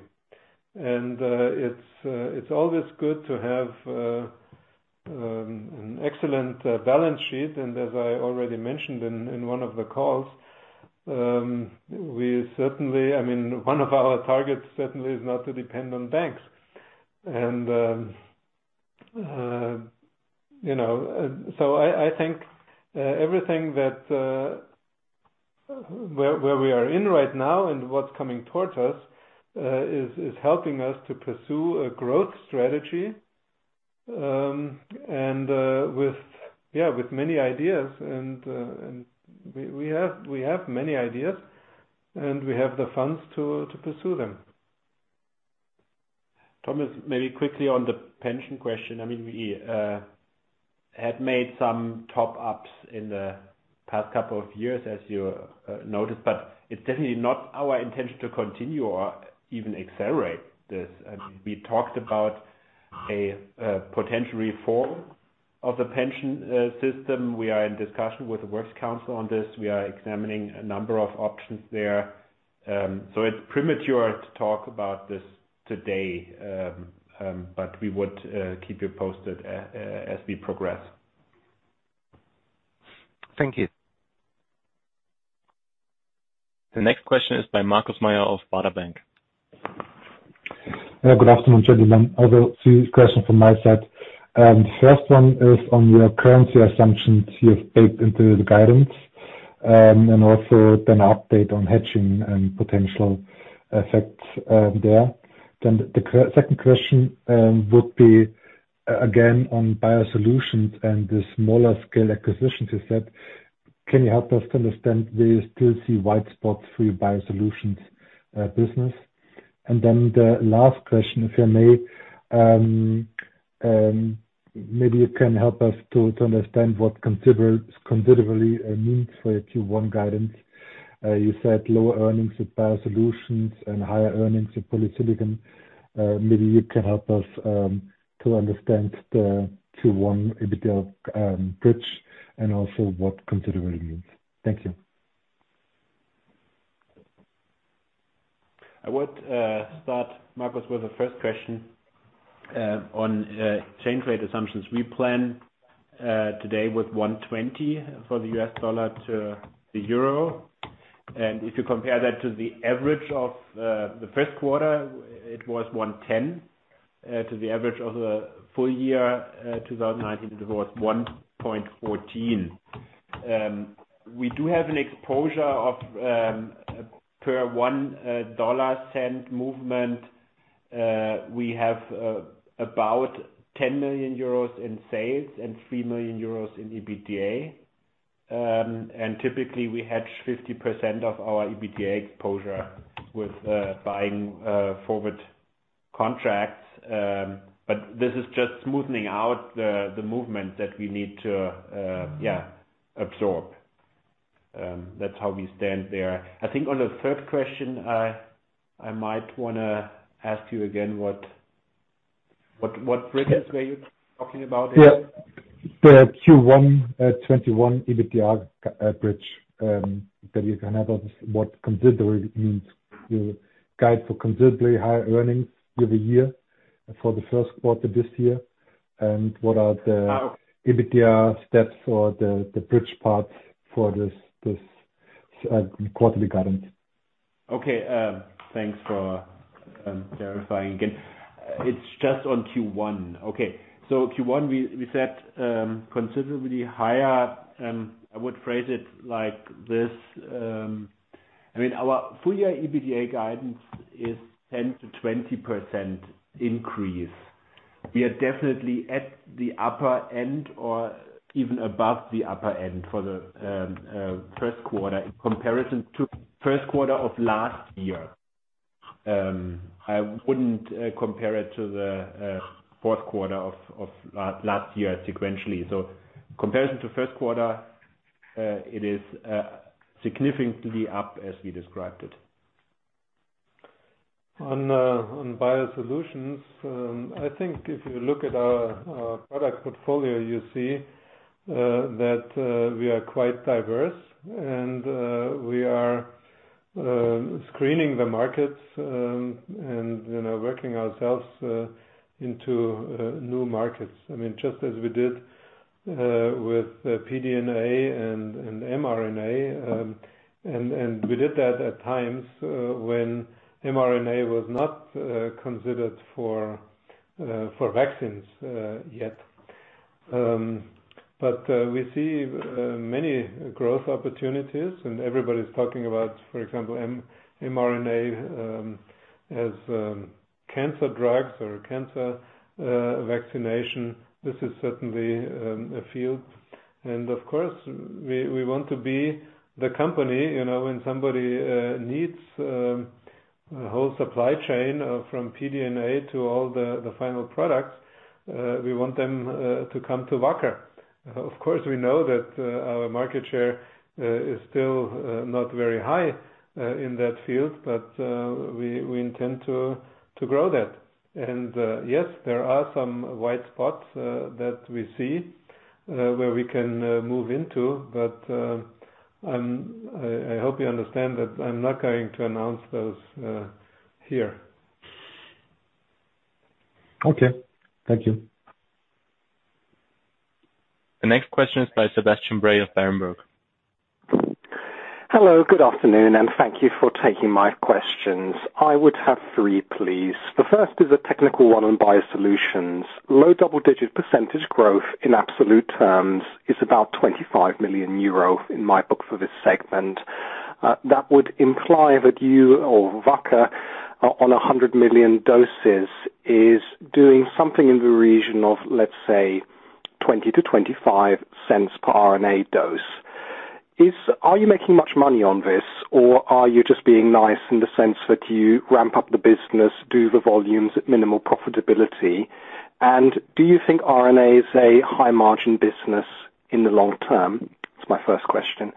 It's always good to have an excellent balance sheet. As I already mentioned in one of the calls, one of our targets certainly is not to depend on banks. I think everything that where we are in right now and what's coming towards us is helping us to pursue a growth strategy, and with many ideas. We have many ideas, and we have the funds to pursue them. Thomas, maybe quickly on the pension question. We had made some top-ups in the past couple of years, as you noticed. It's definitely not our intention to continue or even accelerate this. We talked about a potential reform of the pension system. We are in discussion with the Works Council on this. We are examining a number of options there. It's premature to talk about this today. We would keep you posted as we progress. Thank you. The next question is by Markus Mayer of Baader Bank. Good afternoon, gentlemen. I have three questions from my side. The first one is on your currency assumptions you have baked into the guidance, and also then an update on hedging and potential effects there. The second question would be again on Biosolutions and the smaller scale acquisitions you said. Can you help us understand where you still see white spots for your Biosolutions business? The last question, if I may, maybe you can help us to understand what considerably means for your Q1 guidance. You said lower earnings at Biosolutions and higher earnings at Polysilicon. Maybe you can help us to understand the Q1 EBITDA bridge and also what considerably means. Thank you. I would start, Markus, with the first question on exchange rate assumptions. We plan today with 1.20 for the US dollar to the euro. If you compare that to the average of the first quarter, it was 1.10. To the average of the full year 2019, it was 1.14. We do have an exposure of per 1 dollar cent movement, we have about 10 million euros in sales and 3 million euros in EBITDA. Typically we hedge 50% of our EBITDA exposure with buying forward contracts. This is just smoothing out the movement that we need to absorb. That's how we stand there. I think on the third question, I might want to ask you again what bridges were you talking about there? The Q1 2021 EBITDA bridge, that you can help us what considerably means. You guide for considerably higher earnings year-over-year for the first quarter this year. Oh. EBITDA steps or the bridge parts for this quarterly guidance? Okay. Thanks for verifying again. It's just on Q1. Okay. Q1, we said considerably higher. Our full year EBITDA guidance is 10%-20% increase. We are definitely at the upper end, or even above the upper end for the first quarter in comparison to first quarter of last year. I wouldn't compare it to the fourth quarter of last year sequentially. Comparison to first quarter, it is significantly up as we described it. On Biosolutions, I think if you look at our product portfolio, you see that we are quite diverse and we are screening the markets and working ourselves into new markets. Just as we did with pDNA and mRNA. We did that at times when mRNA was not considered for vaccines yet. We see many growth opportunities and everybody's talking about, for example, mRNA as cancer drugs or cancer vaccination. This is certainly a field. Of course, we want to be the company, when somebody needs a whole supply chain from pDNA to all the final products, we want them to come to Wacker. Of course, we know that our market share is still not very high in that field, but we intend to grow that. Yes, there are some white spots that we see where we can move into. I hope you understand that I'm not going to announce those here. Okay. Thank you. The next question is by Sebastian Bray of Berenberg. Hello, good afternoon, and thank you for taking my questions. I would have three, please. The first is a technical one on Biosolutions. Low double-digit percentage growth in absolute terms is about 25 million euro in my book for this segment. That would imply that you or Wacker, on 100 million doses, is doing something in the region of, let's say, 0.20-0.25 per RNA dose. Are you making much money on this, or are you just being nice in the sense that you ramp up the business, do the volumes at minimal profitability? Do you think RNA is a high-margin business in the long term? That's my first question.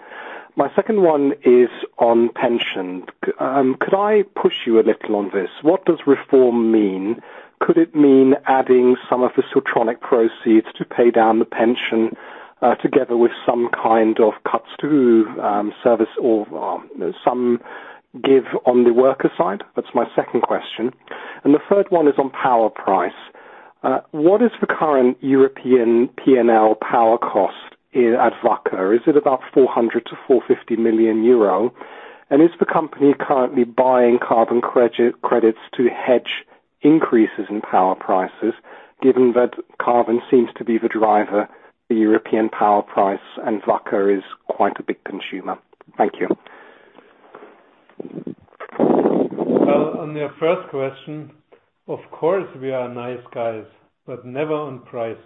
My second one is on pension. Could I push you a little on this? What does reform mean? Could it mean adding some of the Siltronic proceeds to pay down the pension, together with some kind of cuts to service or some give on the worker side? That's my second question. The third one is on power price. What is the current European P&L power cost at Wacker? Is it about 400 million-450 million euro? Is the company currently buying carbon credits to hedge increases in power prices, given that carbon seems to be the driver, the European power price, and Wacker is quite a big consumer? Thank you. Well, on your first question, of course, we are nice guys, but never on price.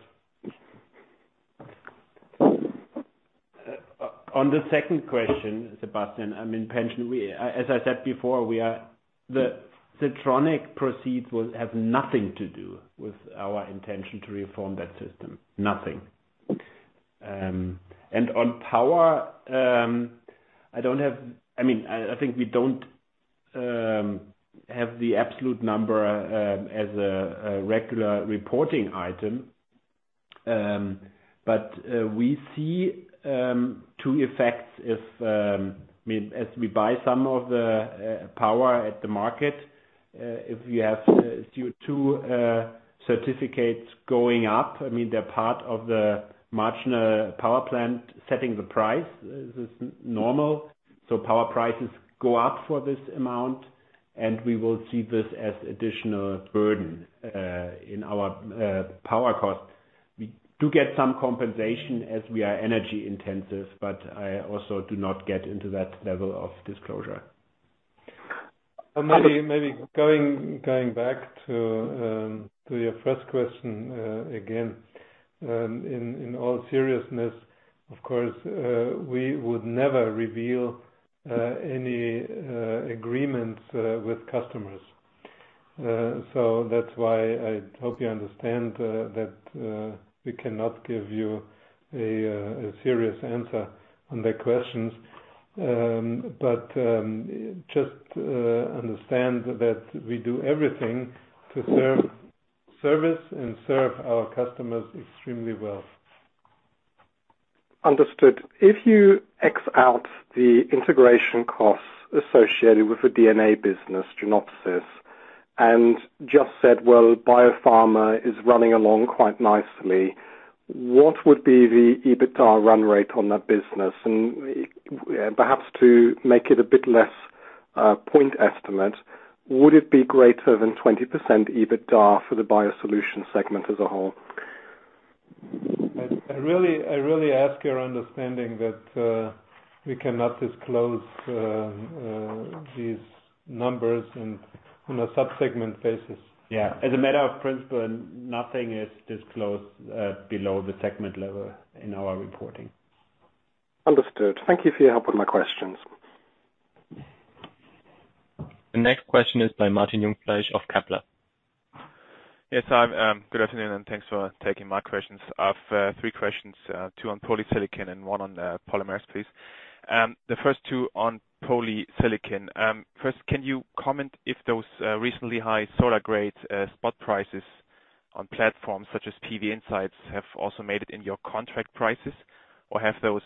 On the second question, Sebastian, on pension, as I said before, the Siltronic proceeds will have nothing to do with our intention to reform that system. Nothing. On power, I think we don't have the absolute number as a regular reporting item. We see two effects as we buy some of the power at the market. If you have two certificates going up, they're part of the marginal power plant setting the price. This is normal. Power prices go up for this amount, and we will see this as additional burden in our power cost. We do get some compensation as we are energy-intensive, but I also do not get into that level of disclosure. Maybe going back to your first question again. In all seriousness, of course, we would never reveal any agreements with customers. That's why I hope you understand that we cannot give you a serious answer on the questions. Just understand that we do everything to service and serve our customers extremely well. Understood. If you X out the integration costs associated with the DNA business, Genopis, and just said, "Well, biopharma is running along quite nicely," what would be the EBITDA run rate on that business? Perhaps to make it a bit less point estimate, would it be greater than 20% EBITDA for the Biosolutions segment as a whole? I really ask your understanding that we cannot disclose these numbers on a sub-segment basis. Yeah. As a matter of principle, nothing is disclosed below the segment level in our reporting. Understood. Thank you for your help with my questions. The next question is by Martin Jungfleisch of Kepler. Yes. Good afternoon, and thanks for taking my questions. I've three questions, two on polysilicon and one on polymers, please. The first two on polysilicon. First, can you comment if those recently high solar-grade spot prices on platforms such as PVinsights have also made it in your contract prices, or have those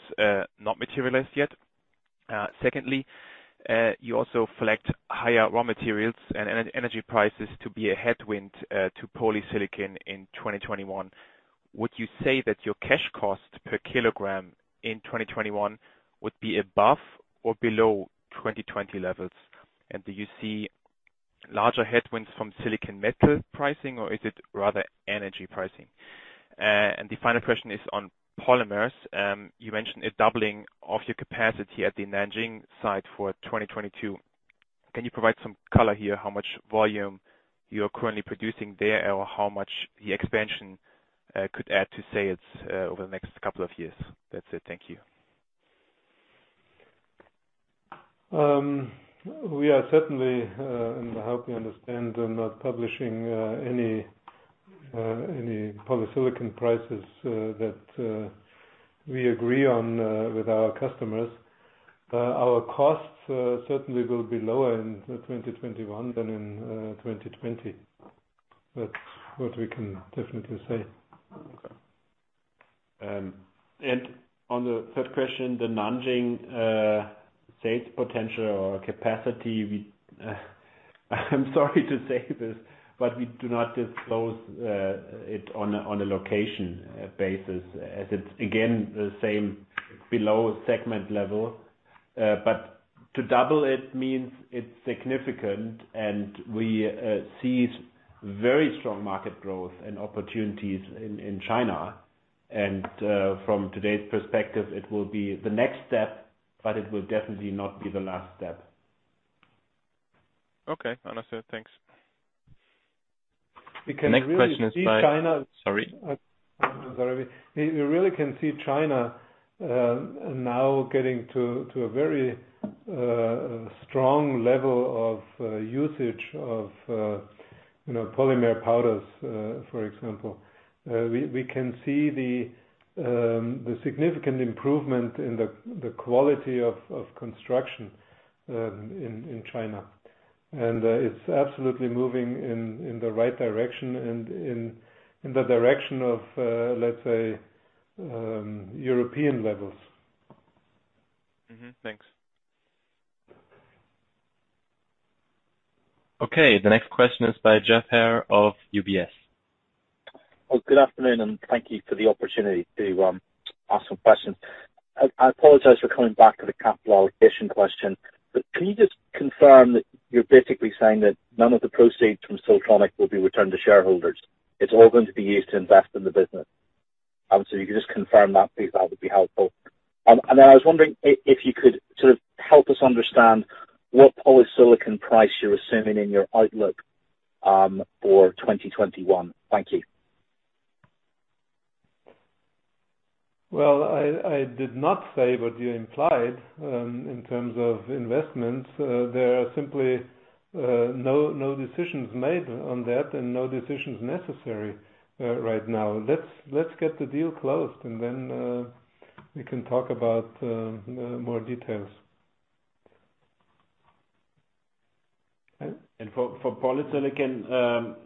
not materialized yet? Secondly, you also flagged higher raw materials and energy prices to be a headwind to polysilicon in 2021. Would you say that your cash cost per kilogram in 2021 would be above or below 2020 levels? Do you see larger headwinds from silicon metal pricing, or is it rather energy pricing? The final question is on polymers. You mentioned a doubling of your capacity at the Nanjing site for 2022. Can you provide some color here, how much volume you are currently producing there, or how much the expansion could add to sales over the next couple of years? That's it. Thank you. We are certainly, and I hope you understand, not publishing any polysilicon prices that we agree on with our customers. Our costs certainly will be lower in 2021 than in 2020. That's what we can definitely say. On the third question, the Nanjing sales potential or capacity, I'm sorry to say this, we do not disclose it on a location basis as it's, again, the same below segment level. To double it means it's significant, and we see very strong market growth and opportunities in China. From today's perspective, it will be the next step, but it will definitely not be the last step. Okay. Understood. Thanks. The next question is. We can really see China. Sorry. We really can see China now getting to a very strong level of usage of polymer powders, for example. We can see the significant improvement in the quality of construction in China. It's absolutely moving in the right direction, and in the direction of, let's say, European levels. Mm-hmm. Thanks. Okay. The next question is by Geoff Haire of UBS. Good afternoon, and thank you for the opportunity to ask some questions. I apologize for coming back to the capital allocation question, but can you just confirm that you're basically saying that none of the proceeds from Siltronic will be returned to shareholders? It's all going to be used to invest in the business. Obviously, if you could just confirm that, please, that would be helpful. I was wondering if you could sort of help us understand what polysilicon price you're assuming in your outlook for 2021. Thank you. Well, I did not say what you implied, in terms of investments. There are simply no decisions made on that and no decisions necessary right now. Let's get the deal closed and then, we can talk about more details. For polysilicon,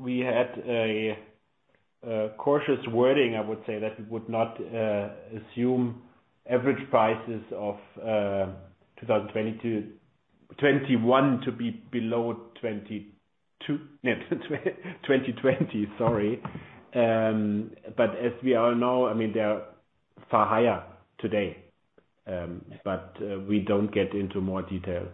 we had a cautious wording, I would say, that would not assume average prices of 2021 to be below 2020. Sorry. As we all know, they are far higher today. We don't get into more details.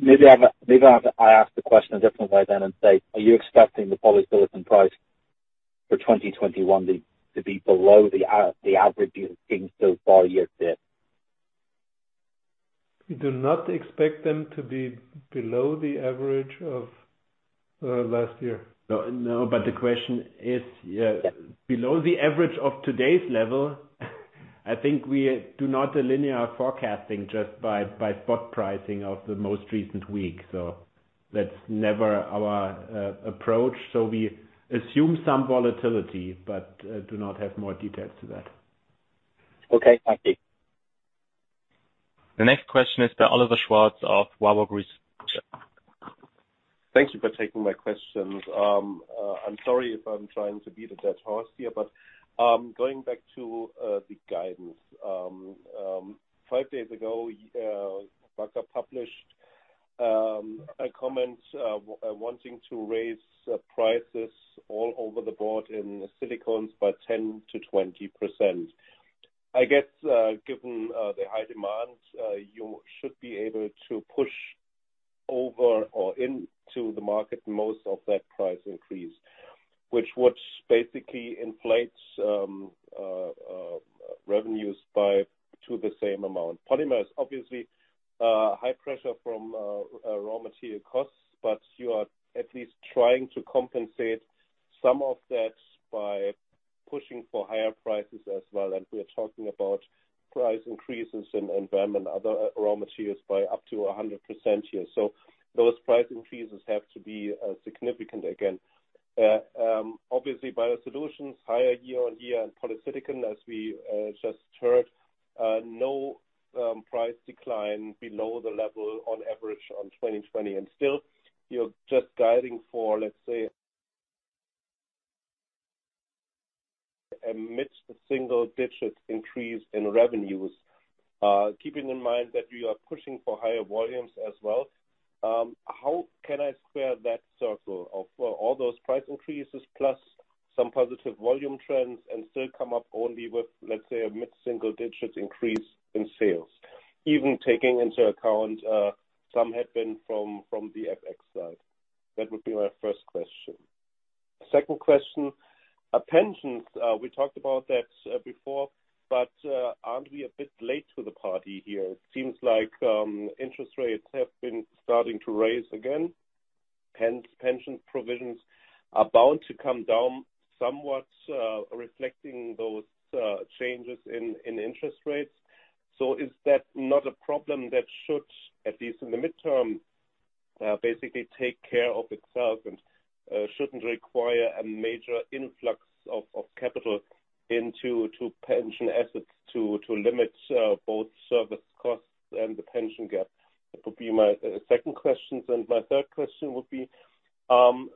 Maybe I'll have to ask the question a different way then and say, are you expecting the polysilicon price for 2021 to be below the average you've seen so far year-to-date? We do not expect them to be below the average of last year. The question is, below the average of today's level, I think we do not linear forecasting just by spot pricing of the most recent week. That's never our approach. We assume some volatility, but do not have more details to that. Okay. Thank you. The next question is by Oliver Schwarz of Warburg Research. Thank you for taking my questions. I'm sorry if I'm trying to beat a dead horse here, but going back to the guidance. Five days ago, Wacker published a comment, wanting to raise prices all over the board in silicones by 10%-20%. I guess, given the high demands, you should be able to push over or into the market most of that price increase. Which what basically inflates revenues by to the same amount. Polymers, obviously, high pressure from raw material costs, but you are at least trying to compensate some of that by pushing for higher prices as well. We are talking about price increases in other raw materials by up to 100% here. Those price increases have to be significant again. Obviously Biosolutions, higher year-on-year and polysilicon, as we just heard, no price decline below the level on average on 2020. Still, you're just guiding for, let's say, a mid-single-digit increase in revenues. Keeping in mind that you are pushing for higher volumes as well. How can I square that circle of all those price increases plus some positive volume trends and still come up only with, let's say, a mid-single-digit increase in sales? Even taking into account some headwind from the FX side. That would be my first question. Second question. Pensions, we talked about that before, aren't we a bit late to the party here? It seems like interest rates have been starting to rise again, hence pension provisions are bound to come down somewhat, reflecting those changes in interest rates. Is that not a problem that should, at least in the midterm, basically take care of itself and shouldn't require a major influx of capital into two pension assets to limit both service costs and the pension gap? That would be my second question. My third question would be,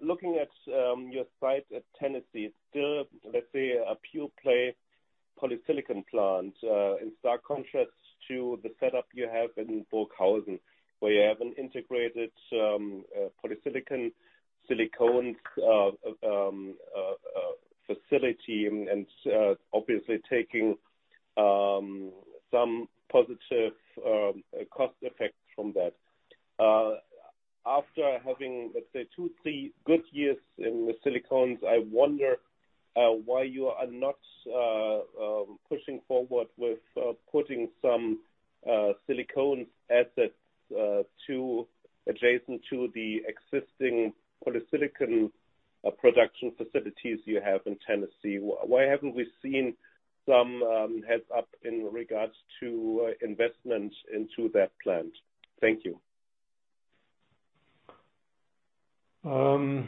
looking at your site at Tennessee. It's still, let's say, a pure play polysilicon plant, in stark contrast to the setup you have in Burghausen, where you have an integrated polysilicon, silicones facility, and obviously taking some positive cost effects from that. After having, let's say, two, three good years in silicones, I wonder why you are not pushing forward with putting some silicones assets adjacent to the existing polysilicon production facilities you have in Tennessee. Why haven't we seen some heads up in regards to investment into that plant? Thank you. To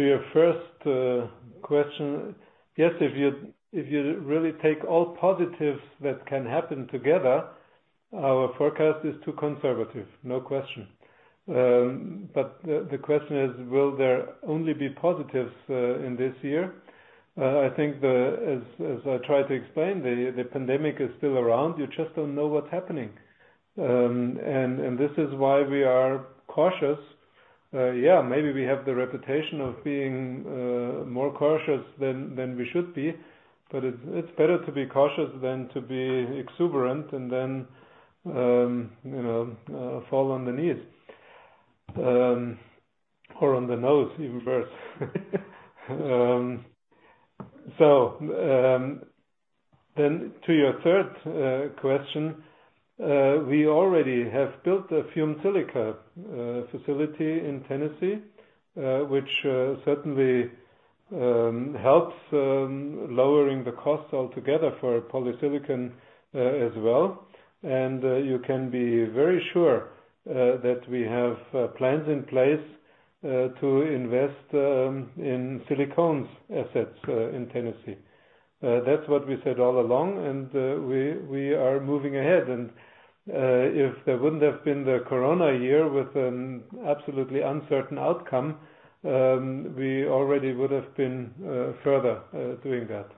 your first question, yes, if you really take all positives that can happen together, our forecast is too conservative, no question. The question is, will there only be positives in this year? I think as I tried to explain, the pandemic is still around. You just don't know what's happening. This is why we are cautious. Yeah, maybe we have the reputation of being more cautious than we should be, but it's better to be cautious than to be exuberant and then fall on the knees. On the nose even worse. To your third question, we already have built a pyrogenic silica facility in Tennessee, which certainly helps lowering the cost altogether for polysilicon as well. You can be very sure that we have plans in place to invest in silicones assets in Tennessee. That's what we said all along, and we are moving ahead. If there wouldn't have been the corona year with an absolutely uncertain outcome, we already would have been further doing that.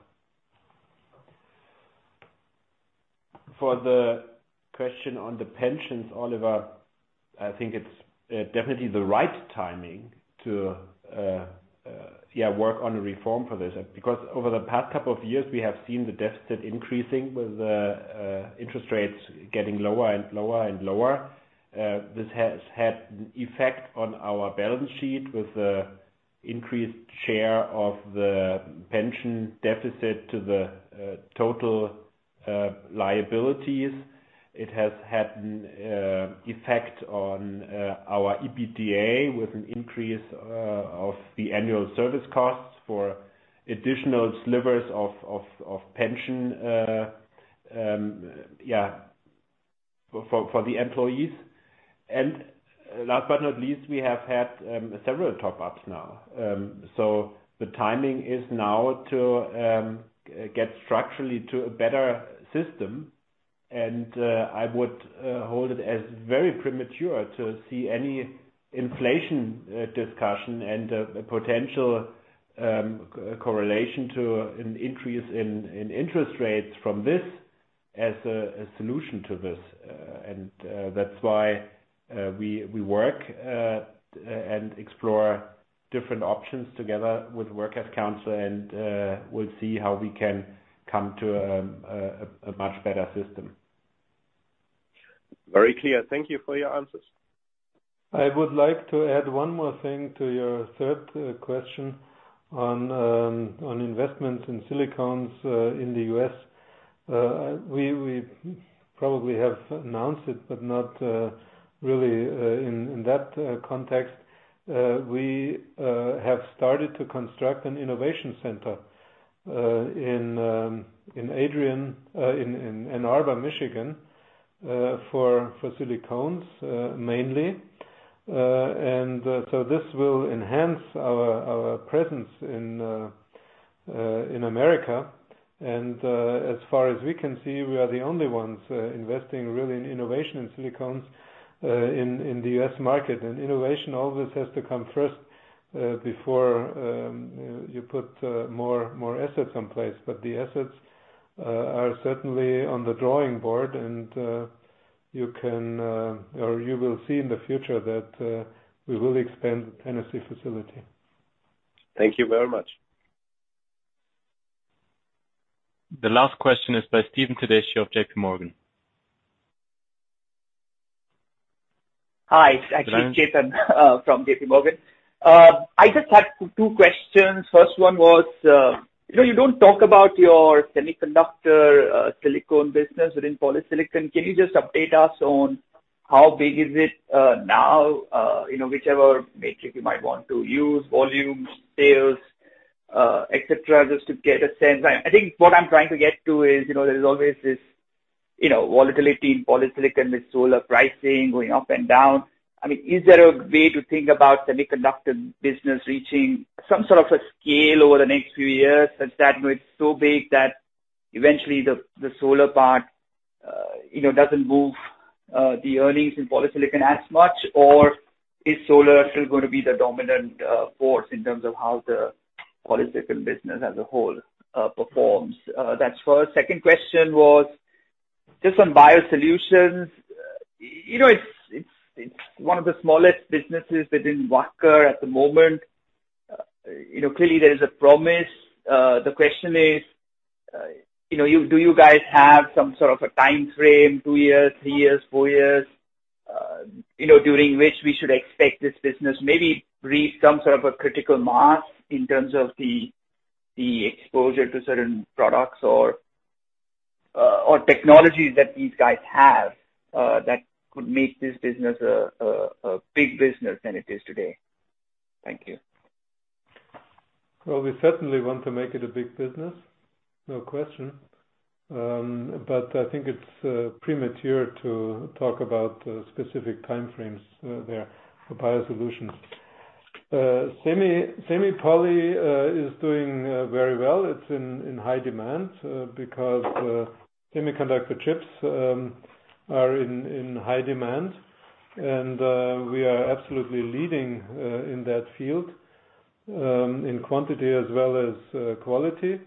For the question on the pensions, Oliver, I think it's definitely the right timing to work on a reform for this. Over the past couple of years, we have seen the deficit increasing with interest rates getting lower and lower and lower. This has had an effect on our balance sheet with the increased share of the pension deficit to the total liabilities. It has had an effect on our EBITDA with an increase of the annual service costs for additional slivers of pension for the employees. Last but not least, we have had several top-ups now. The timing is now to get structurally to a better system. I would hold it as very premature to see any inflation discussion and a potential correlation to an increase in interest rates from this as a solution to this. That's why we work and explore different options together with Works Council, and we'll see how we can come to a much better system. Very clear. Thank you for your answers. I would like to add one more thing to your third question on investment in silicones in the U.S. We probably have announced it, but not really in that context. We have started to construct an innovation center in Ann Arbor, Michigan, for silicones mainly. This will enhance our presence in America. As far as we can see, we are the only ones investing really in innovation in silicones in the U.S. market. Innovation always has to come first, before you put more assets someplace. The assets are certainly on the drawing board, and you will see in the future that we will expand the Tennessee facility. Thank you very much. The last question is by Chetan Udeshi of JPMorgan. Hi. It's actually Chetan from JPMorgan. I just had two questions. First one was, you don't talk about your semiconductor silicon business within polysilicon. Can you just update us on how big is it now, whichever metric you might want to use, volumes, sales, et cetera, just to get a sense. I think what I'm trying to get to is, there is always this volatility in polysilicon with solar pricing going up and down. Is there a way to think about semiconductor business reaching some sort of a scale over the next few years such that it's so big that eventually the solar part doesn't move the earnings in polysilicon as much? Is solar still going to be the dominant force in terms of how the polysilicon business as a whole performs? That's first. Second question was just on Biosolutions. It's one of the smallest businesses within Wacker at the moment. There is a promise. The question is, do you guys have some sort of a timeframe, two years, three years, four years, during which we should expect this business maybe reach some sort of a critical mass in terms of the exposure to certain products or technologies that these guys have, that could make this business a big business than it is today? Thank you. We certainly want to make it a big business, no question. I think it's premature to talk about specific timeframes there for Biosolutions. Semi-poly is doing very well. It's in high demand, because semiconductor chips are in high demand, and we are absolutely leading in that field, in quantity as well as quality.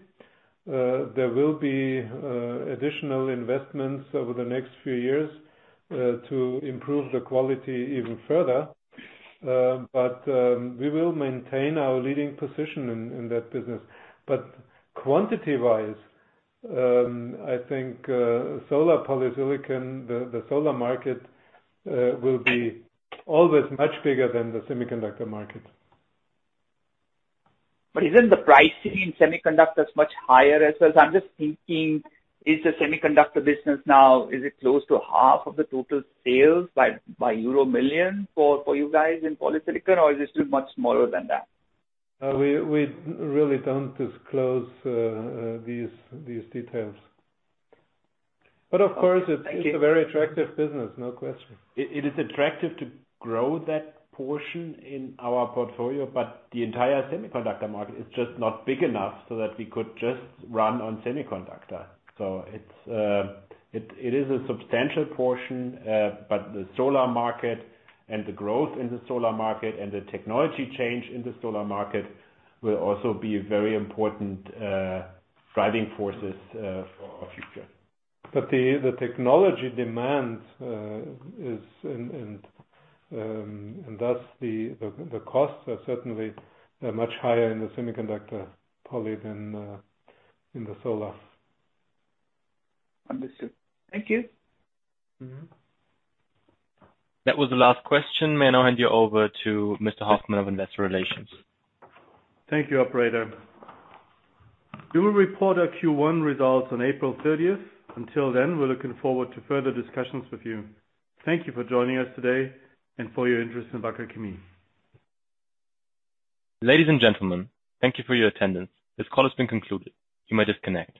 There will be additional investments over the next few years to improve the quality even further. We will maintain our leading position in that business. Quantity-wise, I think solar polysilicon, the solar market, will be always much bigger than the semiconductor market. Isn't the pricing in semiconductors much higher as well? I'm just thinking, is the semiconductor business now, is it close to half of the total sales by euro million for you guys in polysilicon, or is it still much smaller than that? We really don't disclose these details. Of course, it's a very attractive business, no question. It is attractive to grow that portion in our portfolio, but the entire semiconductor market is just not big enough so that we could just run on semiconductor. It is a substantial portion, but the solar market and the growth in the solar market and the technology change in the solar market will also be very important driving forces for our future. The technology demand and thus the costs are certainly much higher in the semiconductor poly than in the solar. Understood. Thank you. That was the last question. May I hand you over to Mr. Hoffmann of Investor Relations. Thank you, operator. We will report our Q1 results on April 30th. Until then, we're looking forward to further discussions with you. Thank you for joining us today and for your interest in Wacker Chemie. Ladies and gentlemen, thank you for your attendance. This call has been concluded. You may disconnect.